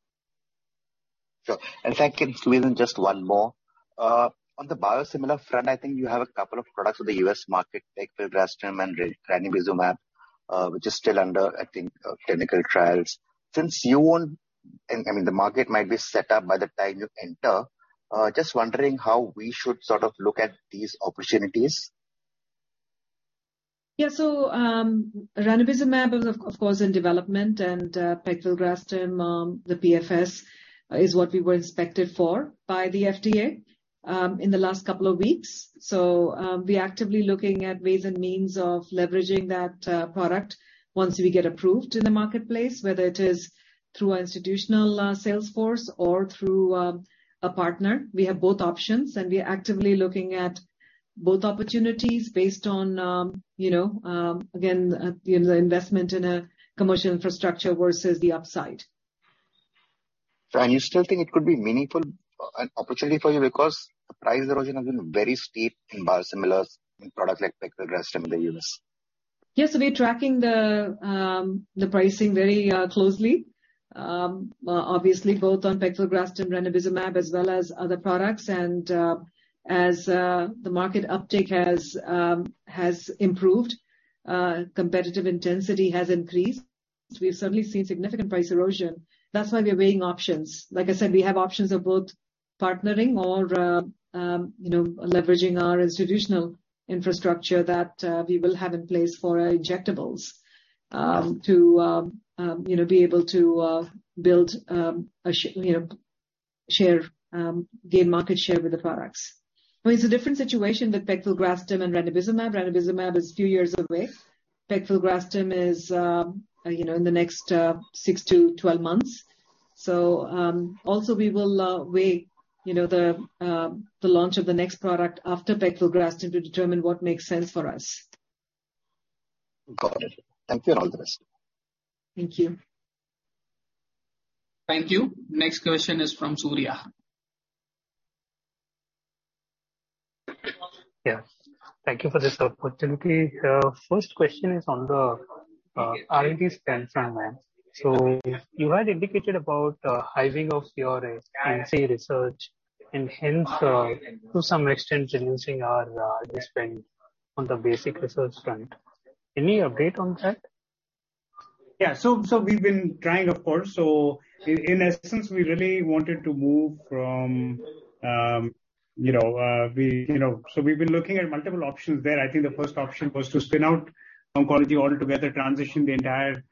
Sure. If I can squeeze in just one more. On the biosimilar front, I think you have a couple of products for the U.S. market, pegfilgrastim and ranibizumab, which is still under, I think, clinical trials. I mean, the market might be set up by the time you enter, just wondering how we should sort of look at these opportunities.
ranibizumab is, of course, in development and pegfilgrastim, the PFS, is what we were inspected for by the FDA in the last couple of weeks. We're actively looking at ways and means of leveraging that product once we get approved in the marketplace, whether it is through our institutional sales force or through a partner. We have both options, and we are actively looking at both opportunities based on, you know, again, you know, the investment in a commercial infrastructure versus the upside.
you still think it could be meaningful opportunity for you because the price erosion has been very steep in biosimilars in products like pegfilgrastim in the U.S.
Yes. We're tracking the pricing very closely. Obviously, both on pegfilgrastim ranibizumab as well as other products. As the market uptick has improved, competitive intensity has increased. We've certainly seen significant price erosion. That's why we're weighing options. Like I said, we have options of both partnering or you know, leveraging our institutional infrastructure that we will have in place for our injectables to you know, be able to build you know, share gain market share with the products. Well, it's a different situation with pegfilgrastim and ranibizumab. ranibizumab is two years away. Pegfilgrastim is you know, in the next 6-12 months. Also we will weigh, you know, the launch of the next product after pegfilgrastim to determine what makes sense for us.
Got it. Thank you, and all the best.
Thank you.
Thank you. Next question is from Surya.
Yeah. Thank you for this opportunity. First question is on the R&D spend frontline. You had indicated about hiving off your NCE research and hence, to some extent reducing our R&D spend on the basic research front. Any update on that?
Yeah. We've been trying, of course. In essence, we really wanted to move from, you know. We've been looking at multiple options there. I think the first option was to spin out oncology altogether, transition the entire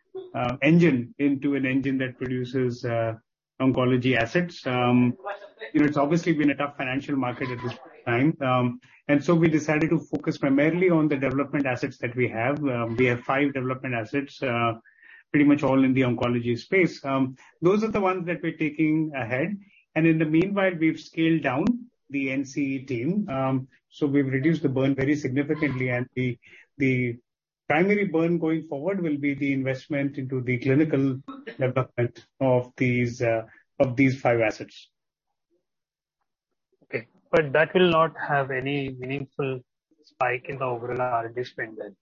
engine into an engine that produces oncology assets. You know, it's obviously been a tough financial market at this time. We decided to focus primarily on the development assets that we have. We have five development assets, pretty much all in the oncology space. Those are the ones that we're taking ahead. In the meanwhile, we've scaled down the NCE team. We've reduced the burn very significantly. The primary burn going forward will be the investment into the clinical development of these five assets.
Okay. That will not have any meaningful spike in the overall R&D spend then.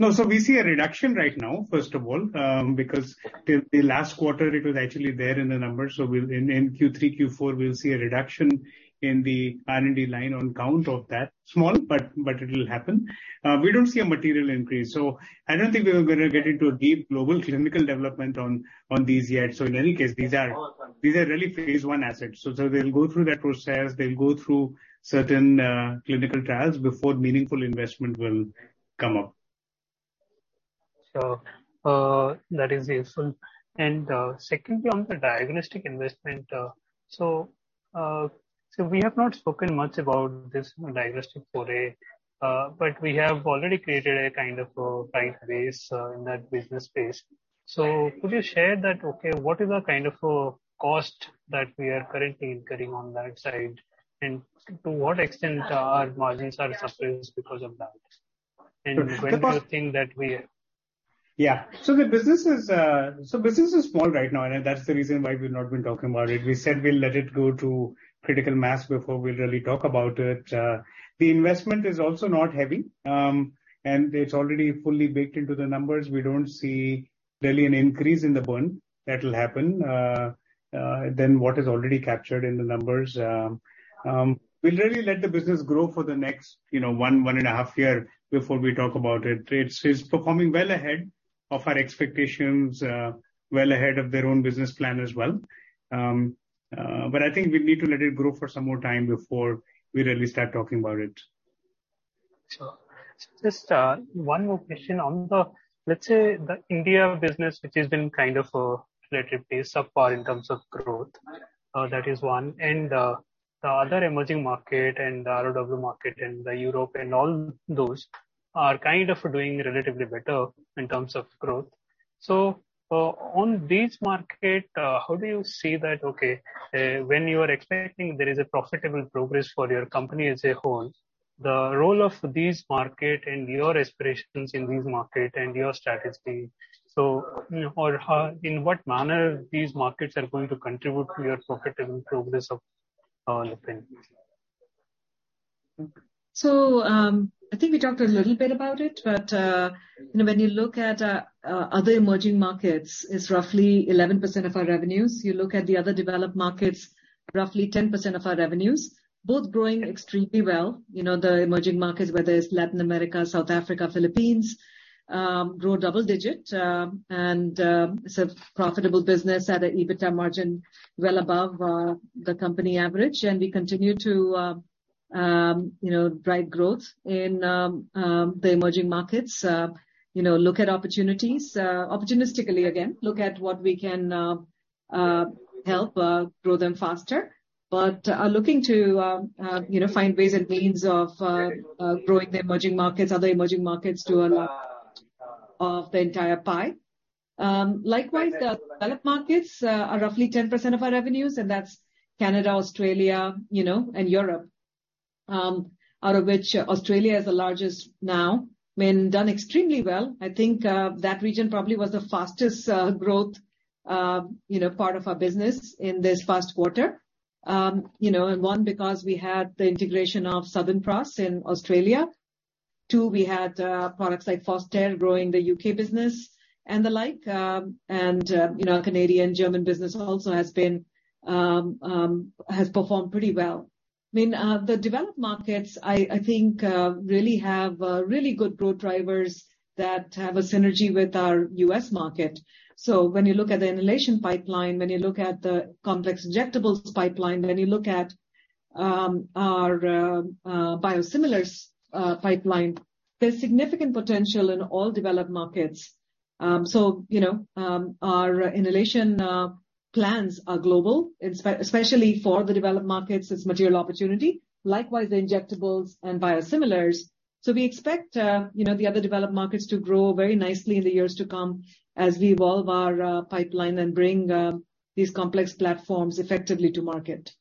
No. We see a reduction right now, first of all, because the last quarter it was actually there in the numbers. We'll, in Q3, Q4 we'll see a reduction in the R&D line on account of that. Small, but it'll happen. We don't see a material increase. I don't think we are gonna get into a deep global clinical development on these yet. In any case, these are really phase one assets. They'll go through that process. They'll go through certain clinical trials before meaningful investment will come up.
That is useful. Secondly, on the diagnostic investment. We have not spoken much about this diagnostic foray, but we have already created a kind of a right base, in that business space. Could you share that, okay, what is the kind of, cost that we are currently incurring on that side, and to what extent our margins are suffering because of that? When do you think that we-
Yeah. The business is small right now, and that's the reason why we've not been talking about it. We said we'll let it go to critical mass before we really talk about it. The investment is also not heavy, and it's already fully baked into the numbers. We don't see really an increase in the burn that'll happen than what is already captured in the numbers. We'll really let the business grow for the next, you know, one and a half year before we talk about it. It's performing well ahead of our expectations, well ahead of their own business plan as well. I think we need to let it grow for some more time before we really start talking about it.
Sure. Just one more question on the, let's say, the India business, which has been kind of relatively subpar in terms of growth. That is one. The other emerging market and the ROW market and the Europe and all those are kind of doing relatively better in terms of growth. On these market, how do you see that, okay, when you are expecting there is a profitable progress for your company as a whole, the role of these market and your aspirations in these market and your strategy. You know, or how, in what manner these markets are going to contribute to your profitable progress of, Lupin?
I think we talked a little bit about it, but you know, when you look at other emerging markets, it's roughly 11% of our revenues. You look at the other developed markets, roughly 10% of our revenues. Both growing extremely well. You know, the emerging markets, whether it's Latin America, South Africa, Philippines, grow double digits. It's a profitable business at a EBITDA margin well above the company average. We continue to you know, drive growth in the emerging markets. You know, look at opportunities opportunistically, again, look at what we can help grow them faster. We are looking to you know, find ways and means of growing the emerging markets, other emerging markets to a lot of the entire pie. Likewise, the developed markets are roughly 10% of our revenues, and that's Canada, Australia, you know, and Europe. Out of which Australia is the largest now. I mean, done extremely well. I think that region probably was the fastest growth, you know, part of our business in this past quarter. You know, and one, because we had the integration of Southern Cross in Australia. Two, we had products like Fostair growing the U.K. business and the like. You know, Canadian, German business also has performed pretty well. I mean, the developed markets, I think, really have good growth drivers that have a synergy with our U.S. market. When you look at the inhalation pipeline, when you look at the complex injectables pipeline, when you look at our biosimilars pipeline, there's significant potential in all developed markets. You know, our inhalation plans are global, especially for the developed markets, it's material opportunity. Likewise, the injectables and biosimilars. We expect, you know, the other developed markets to grow very nicely in the years to come as we evolve our pipeline and bring these complex platforms effectively to market.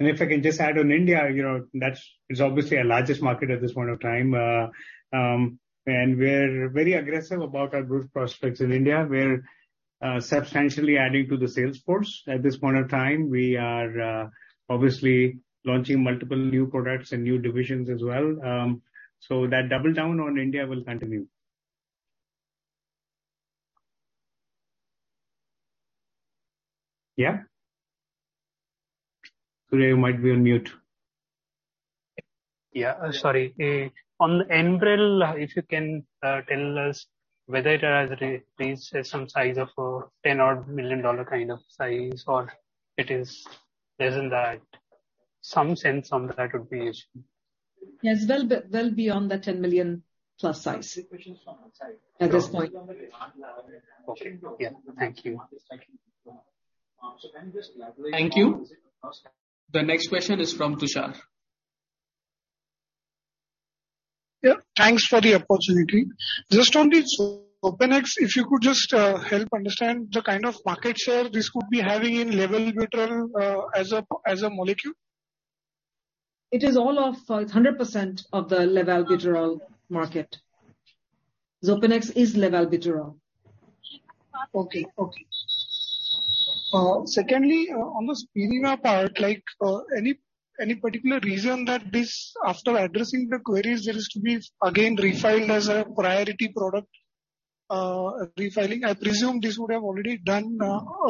If I can just add on India, you know, that is obviously our largest market at this point of time. We're very aggressive about our growth prospects in India. We're substantially adding to the sales force. At this point of time we are obviously launching multiple new products and new divisions as well. So that double down on India will continue. Yeah. Surya, you might be on mute.
Sorry. On Enbrel, if you can tell us whether it has reached some size of $10-odd million kind of size or it is less than that. Some sense on that would be useful.
Yes. We'll be well beyond the 10 million plus size.
Questions from outside.
At this point.
Okay. Yeah. Thank you.
Thank you.
The next question is from Tushar.
Yeah. Thanks for the opportunity. Just on the Xopenex, if you could just help understand the kind of market share this could be having in Albuterol, as a molecule.
It is all of 100% of the labetalol market. Xopenex is labetalol.
Okay. Secondly, on the SpeediCap part, like, any particular reason that this after addressing the queries there is to be again refiled as a priority product, refiling? I presume this would have already done,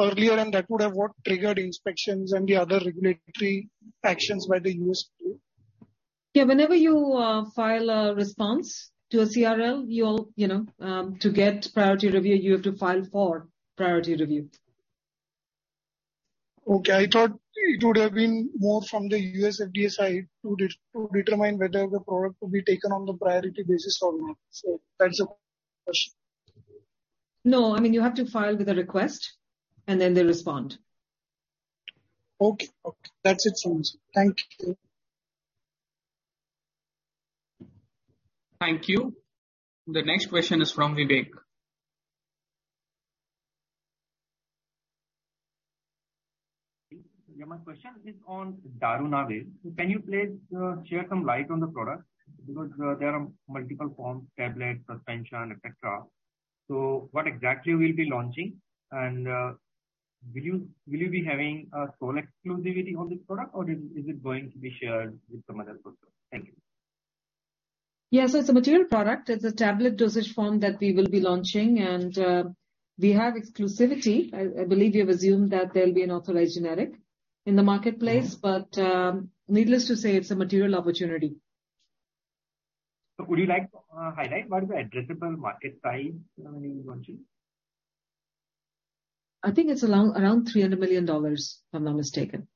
earlier, and that would have what triggered inspections and the other regulatory actions by the U.S. too.
Yeah. Whenever you file a response to a CRL, you'll, you know, to get priority review, you have to file for priority review.
Okay. I thought it would have been more from the U.S. FDA side to determine whether the product will be taken on the priority basis or not. That's the question.
No, I mean, you have to file with a request and then they respond.
Okay. Okay. That's it from me. Thank you.
Thank you. The next question is from Vivek.
Yeah, my question is on Darunavir. Can you please shed some light on the product? Because there are multiple forms, tablet, suspension, et cetera. What exactly will you be launching and will you be having a sole exclusivity on this product or is it going to be shared with some other partner? Thank you.
Yeah. It's a material product. It's a tablet dosage form that we will be launching. We have exclusivity. I believe you've assumed that there'll be an authorized generic in the marketplace.
Mm-hmm.
Needless to say, it's a material opportunity.
Would you like to highlight what is the addressable market size when you launch it?
I think it's around $300 million, if I'm not mistaken.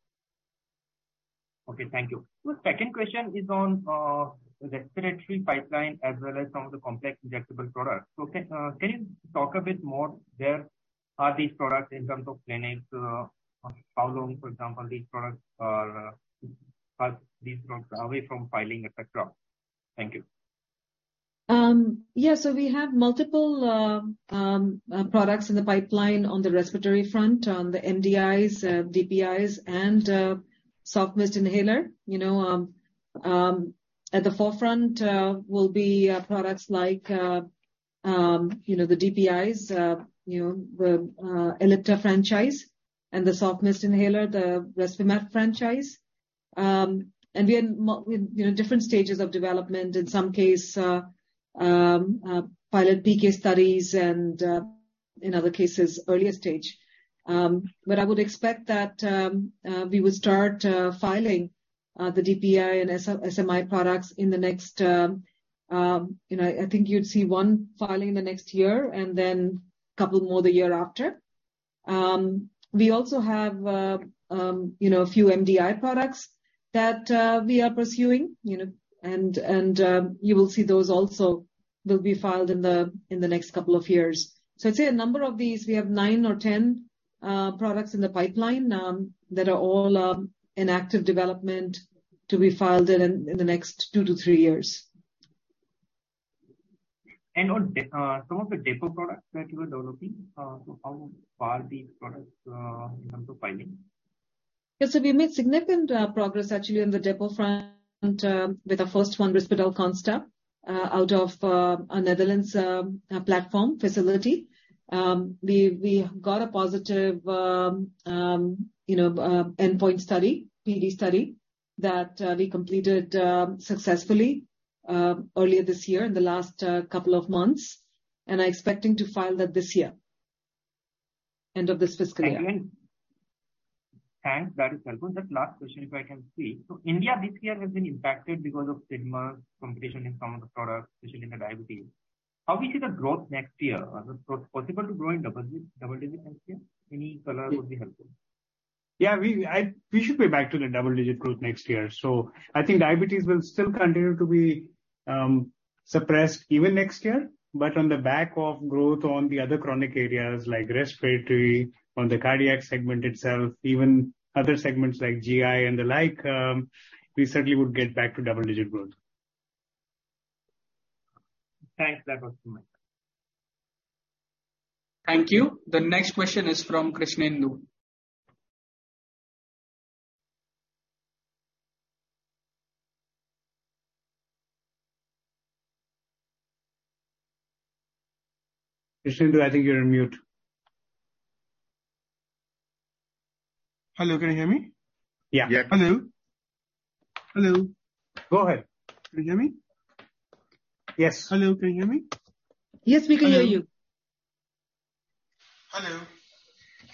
Okay. Thank you. The second question is on the respiratory pipeline as well as some of the complex injectable products. Can you talk a bit more there? Are these products in terms of planning? How long, for example, are these products away from filing, et cetera? Thank you.
We have multiple products in the pipeline on the respiratory front, the MDIs, DPIs and soft mist inhaler. You know, at the forefront will be products like, you know, the DPIs, you know, the Ellipta franchise and the soft mist inhaler, the Respimat franchise. We are in different stages of development, in some case pilot PK studies and in other cases earlier stage. I would expect that we would start filing the DPI and SMI products in the next, you know, I think you'd see one filing in the next year and then couple more the year after. We also have, you know, a few MDI products that we are pursuing, you know, and you will see those also will be filed in the next couple of years. I'd say a number of these, we have 9 or 10 products in the pipeline that are all in active development to be filed in the next 2-3 years.
On some of the depot products that you are developing, how far are these products in terms of filing?
Yes, we made significant progress actually on the depot front with our first one, Risperdal Consta, out of our Netherlands platform facility. We got a positive you know endpoint study, PD study, that we completed successfully earlier this year in the last couple of months. We are expecting to file that this year. End of this fiscal year.
Excellent. Thanks. That is helpful. The last question if I can see. India this year has been impacted because of generic competition in some of the products, especially in the diabetes. How we see the growth next year, so possible to grow in double digits next year? Any color would be helpful.
Yeah, we should be back to the double-digit growth next year. I think diabetes will still continue to be suppressed even next year. On the back of growth on the other chronic areas like respiratory, on the cardiac segment itself, even other segments like GI and the like, we certainly would get back to double-digit growth.
Thanks. That was my last.
Thank you. The next question is from Krishnendu. Krishnendu, I think you're on mute. Hello, can you hear me? Yeah.
Yeah.
Hello? Hello? Go ahead. Can you hear me? Yes. Hello, can you hear me?
Yes, we can hear you.
Hello? Hello?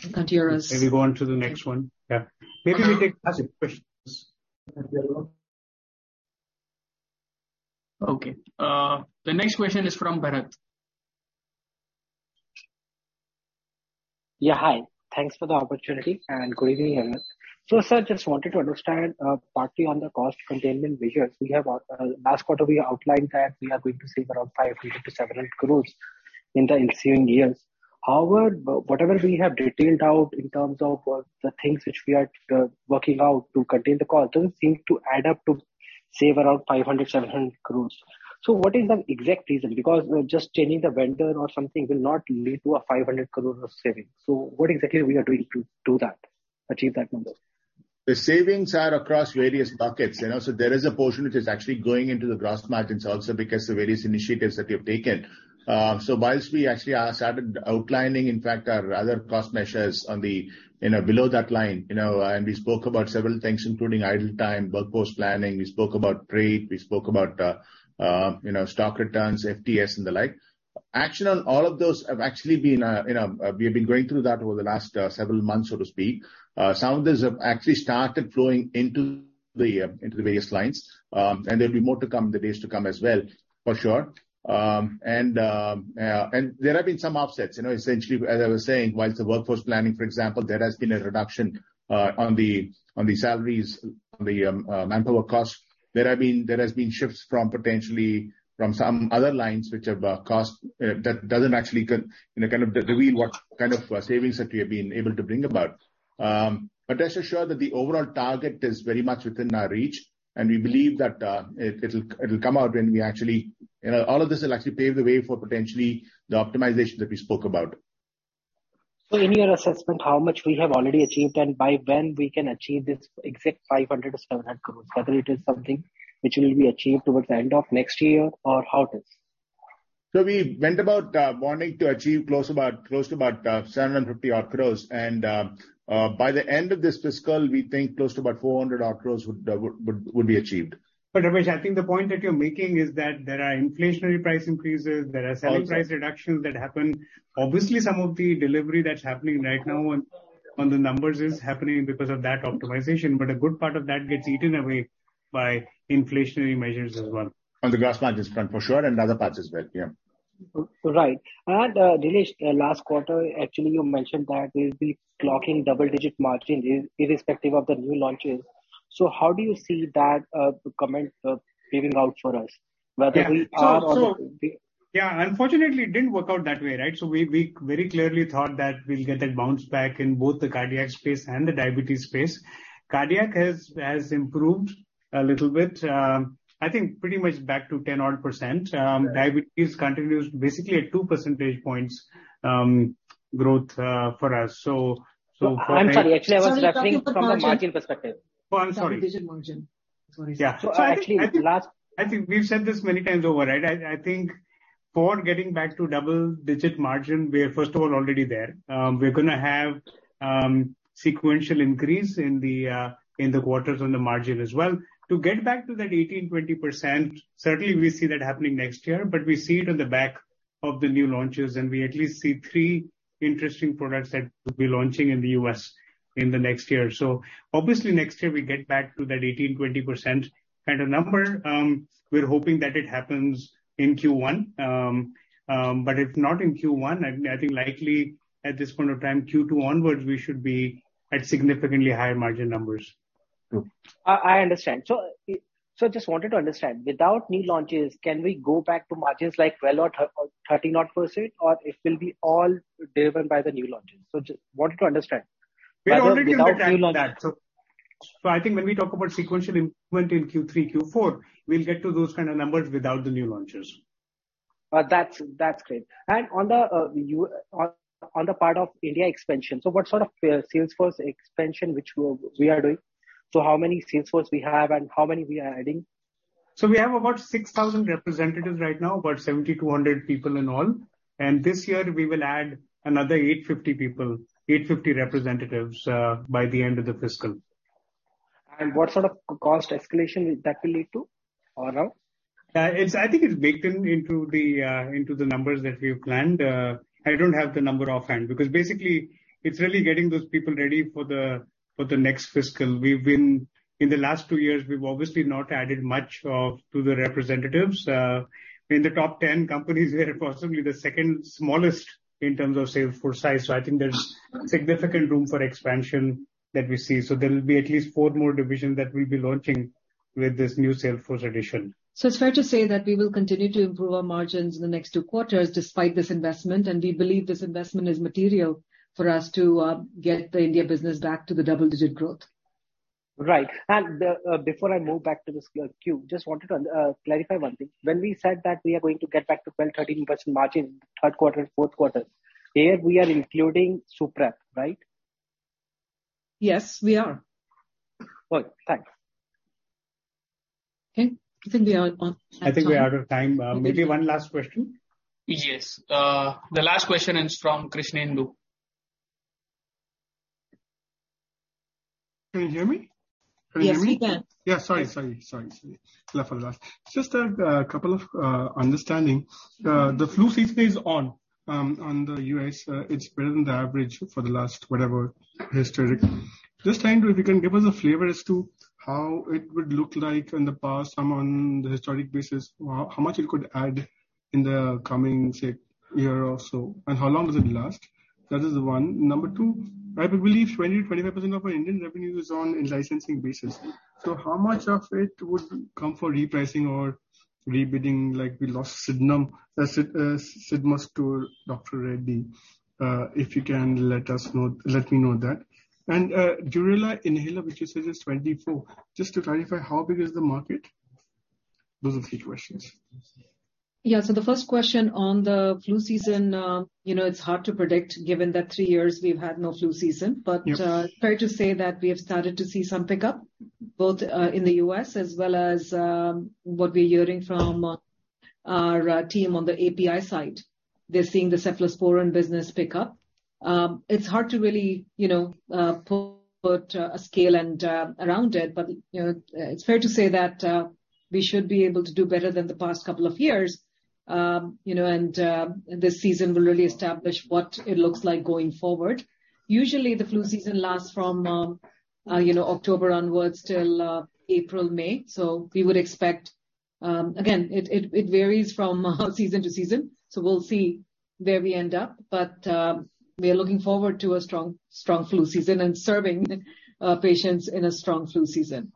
I can't hear us.
Can we go on to the next one? Yeah. Maybe we take Asif's questions. Okay. The next question is from Bharat.
Yeah, hi. Thanks for the opportunity, and good evening, everyone. Sir, just wanted to understand, partly on the cost containment measures. We have, last quarter we outlined that we are going to save around 500-700 crores in the ensuing years. However, whatever we have detailed out in terms of, the things which we are, working out to contain the costs doesn't seem to add up to save around 500-700 crores. What is the exact reason? Because, you know, just changing the vendor or something will not lead to a 500 crore of savings. What exactly we are doing to do that, achieve that number?
The savings are across various buckets, you know. There is a portion which is actually going into the gross margins also because of various initiatives that we have taken. While we actually started outlining, in fact, our other cost measures on the, you know, below that line, you know, and we spoke about several things, including idle time, workforce planning. We spoke about trade, we spoke about, you know, stock returns, FTS and the like. Action on all of those have actually been, you know, we have been going through that over the last several months, so to speak. Some of these have actually started flowing into the various lines. There'll be more to come in the days to come as well, for sure. There have been some offsets. You know, essentially, as I was saying, while the workforce planning, for example, there has been a reduction on the salaries, on the manpower costs. There has been shifts from potentially some other lines which have cost that doesn't actually, you know, kind of reveal what kind of savings that we have been able to bring about. Rest assured that the overall target is very much within our reach, and we believe that it'll come out when we actually. You know, all of this will actually pave the way for potentially the optimization that we spoke about.
In your assessment, how much we have already achieved and by when we can achieve this exact 500-700 crore, whether it is something which will be achieved towards the end of next year or how it is?
We went about wanting to achieve close to about 750-odd crores. By the end of this fiscal, we think close to about 400-odd crores would be achieved.
Ramesh, I think the point that you're making is that there are inflationary price increases.
Also.
There are selling price reductions that happen. Obviously, some of the delivery that's happening right now on the numbers is happening because of that optimization. A good part of that gets eaten away by inflationary measures as well.
On the gross margins front for sure, and other parts as well, yeah.
Right. Nilesh, last quarter, actually, you mentioned that we'll be clocking double-digit margin irrespective of the new launches. How do you see that comment playing out for us?
Yeah.
Whether we are or we-
Yeah, unfortunately, it didn't work out that way, right? We very clearly thought that we'll get that bounce back in both the cardiac space and the diabetes space. Cardiac has improved a little bit. I think pretty much back to 10-odd%. Diabetes continues basically at two percentage points growth for us. For-
I'm sorry. Actually, I was referring from the margin perspective.
Oh, I'm sorry.
Double-digit margin. Sorry.
Yeah.
Actually last
I think we've said this many times over, right? I think for getting back to double-digit margin, we're first of all already there. We're gonna have sequential increase in the quarters on the margin as well. To get back to that 18%-20%, certainly we see that happening next year, but we see it on the back of the new launches, and we at least see 3 interesting products that we'll be launching in the US in the next year. Obviously next year we get back to that 18%-20% kind of number. We're hoping that it happens in Q1. If not in Q1, I think likely at this point of time, Q2 onwards, we should be at significantly higher margin numbers.
I understand. Just wanted to understand, without new launches, can we go back to margins like 12% or 13% odd, or it will be all driven by the new launches? Just wanted to understand.
We're already doing that.
Without new launches.
I think when we talk about sequential improvement in Q3, Q4, we'll get to those kind of numbers without the new launches.
That's great. On the part of India expansion, what sort of sales force expansion we are doing? How many sales force we have and how many we are adding?
We have about 6,000 representatives right now, about 7,200 people in all. This year we will add another 850 people, 850 representatives, by the end of the fiscal.
What sort of cost escalation will that lead to or no?
I think it's baked in into the numbers that we've planned. I don't have the number offhand because basically it's really getting those people ready for the next fiscal. In the last two years, we've obviously not added much to the representatives. In the top ten companies we are possibly the second smallest in terms of sales force size, so I think there's significant room for expansion that we see. There will be at least four more divisions that we'll be launching with this new sales force addition.
It's fair to say that we will continue to improve our margins in the next two quarters despite this investment, and we believe this investment is material for us to get the India business back to the double-digit growth.
Right. Before I move back to this queue, just wanted to clarify one thing. When we said that we are going to get back to 12%-13% margin third quarter and fourth quarter, here we are including Suprep, right?
Yes, we are.
All right. Thanks.
Okay. I think we are on.
I think we are out of time. Maybe one last question.
Yes. The last question is from Krishnendu.
Can you hear me? Can you hear me?
Yes, we can.
Sorry. Left it last. Just a couple of understanding. The flu season is on in the U.S. It's been the average for the last whatever historic. Just trying to. If you can give us a flavor as to how it would look like in the past, on the historic basis, or how much it could add in the coming, say, year or so, and how long does it last? That is one. Number two, I believe 25% of our Indian revenue is on a licensing basis. So how much of it would come for repricing or rebidding like we lost Cidmus to Dr. Reddy's? If you can let us know, let me know that. Dulera inhaler, which you said is 24. Just to clarify, how big is the market? Those are three questions.
Yeah. The first question on the flu season, you know, it's hard to predict given that three years we've had no flu season.
Yep.
Fair to say that we have started to see some pickup, both in the U.S. as well as what we're hearing from our team on the API side. They're seeing the Cephalosporins business pick up. It's hard to really, you know, put a scale and around it. You know, it's fair to say that we should be able to do better than the past couple of years. You know, this season will really establish what it looks like going forward. Usually, the flu season lasts from, you know, October onwards till April, May. We would expect. Again, it varies from season to season, so we'll see where we end up. We are looking forward to a strong flu season and serving patients in a strong flu season.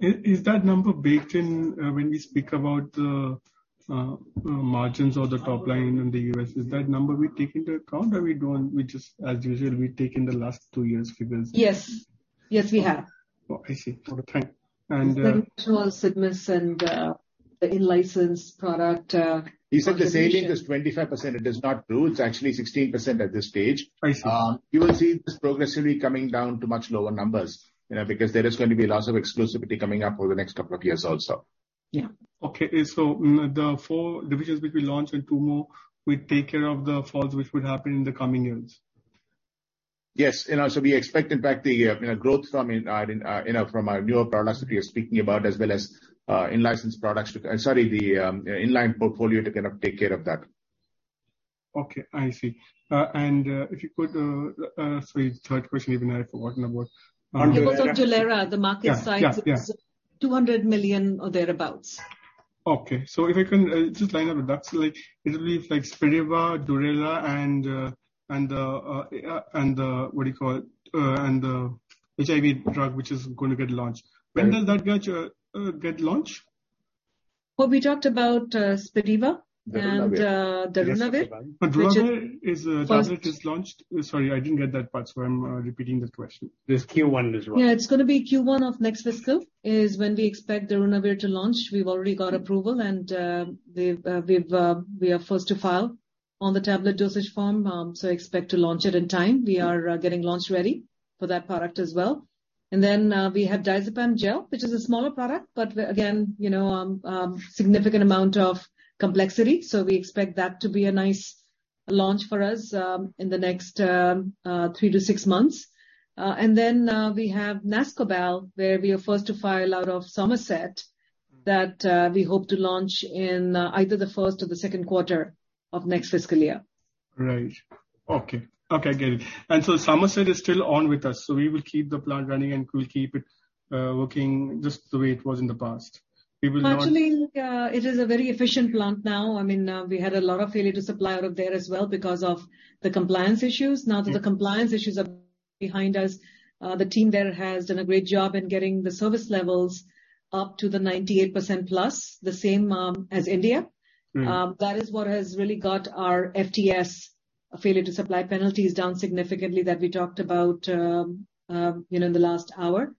Is that number baked in, when we speak about the margins or the top line in the U.S.? Is that number we take into account or we don't, we just as usual, we take in the last two years' figures?
Yes. Yes, we have.
Oh, I see. Okay, thank you.
With regard to our Cidmus and the in-license product contribution-
He said the saving is 25%, it is not true. It's actually 16% at this stage.
I see.
You will see this progressively coming down to much lower numbers, you know. Because there is going to be lots of exclusivity coming up over the next couple of years also.
Yeah.
The four divisions which we launch and two more, we take care of the falls which would happen in the coming years?
Yes. You know, so we expect in fact the, you know, growth from our newer products that we are speaking about as well as the in-line portfolio to kind of take care of that.
Okay. I see. If you could, sorry, third question even I forgot about.
On Dulera, the market size-
Yeah. Yeah, yeah
200 million or thereabouts.
Okay. If I can just line up with that. Like it'll be like Spiriva, Dulera and Darunavir which is gonna get launched. When does that get launched?
Well, we talked about Spiriva and Darunavir.
Yes.
Darunavir is a tablet just launched? Sorry, I didn't get that part, so I'm repeating the question.
It's Q1 this year.
Yeah. It's gonna be Q1 of next fiscal is when we expect Darunavir to launch. We've already got approval and we are first to file on the tablet dosage form. So expect to launch it in time. We are getting launch ready for that product as well. We have diazepam gel, which is a smaller product, but again, you know, significant amount of complexity. So we expect that to be a nice launch for us in the next 3-6 months. We have Nascobal, where we are first to file out of Somerset that we hope to launch in either the first or the second quarter of next fiscal year.
Right. Okay. Okay, I get it. Somerset is still on with us, so we will keep the plant running and we'll keep it working just the way it was in the past. We will not.
Actually, it is a very efficient plant now. I mean, we had a lot of failure to supply out of there as well because of the compliance issues.
Yeah.
Now that the compliance issues are behind us, the team there has done a great job in getting the service levels up to 98% plus, the same as India.
Mm-hmm.
That is what has really got our FTS failure to supply penalty is down significantly that we talked about, you know, in the last hour.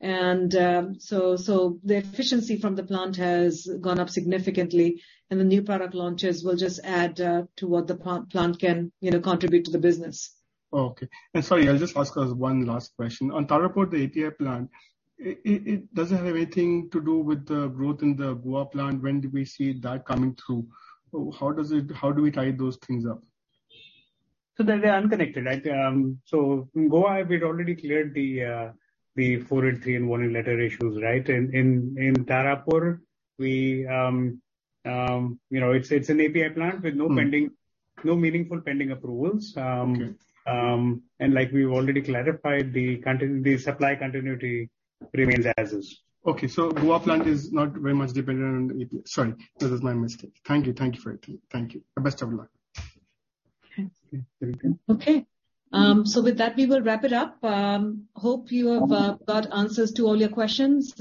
The efficiency from the plant has gone up significantly and the new product launches will just add to what the plant can, you know, contribute to the business.
Oh, okay. Sorry, I'll just ask one last question. On Tarapur, the API plant, it doesn't have anything to do with the growth in the Goa plant. When do we see that coming through? How does it? How do we tie those things up?
They're unconnected, right? In Goa, we'd already cleared the 4 and 3 and 1 letter issues, right? In Tarapur, you know, it's an API plant with no pending.
Mm.
No meaningful pending approvals. Like we've already clarified, the continuity, the supply continuity remains as is.
Okay. Goa plant is not very much dependent on AP. Sorry, this is my mistake. Thank you. Thank you for it. Thank you. Best of luck.
Thanks.
Okay.
Very good.
Okay. With that, we will wrap it up. Hope you have got answers to all your questions.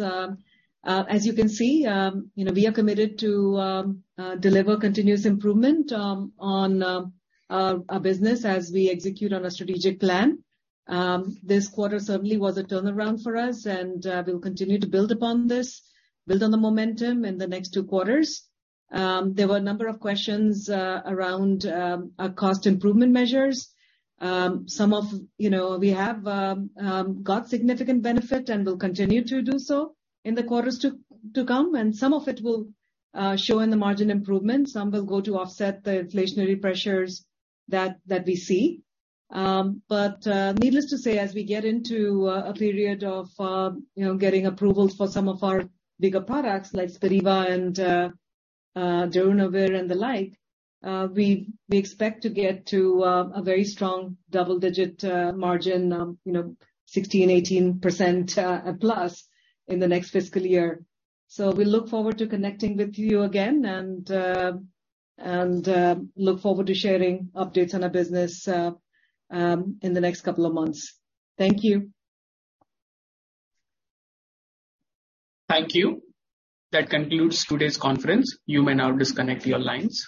As you can see, you know, we are committed to deliver continuous improvement on our business as we execute on our strategic plan. This quarter certainly was a turnaround for us and we'll continue to build upon this, build on the momentum in the next two quarters. There were a number of questions around our cost improvement measures. Some of you know, we have got significant benefit and will continue to do so in the quarters to come, and some of it will show in the margin improvement. Some will go to offset the inflationary pressures that we see. Needless to say, as we get into a period of, you know, getting approvals for some of our bigger products like Spiriva and Darunavir and the like, we expect to get to a very strong double-digit margin, you know, 16, 18% plus in the next fiscal year. We look forward to connecting with you again and look forward to sharing updates on our business in the next couple of months. Thank you.
Thank you. That concludes today's conference. You may now disconnect your lines.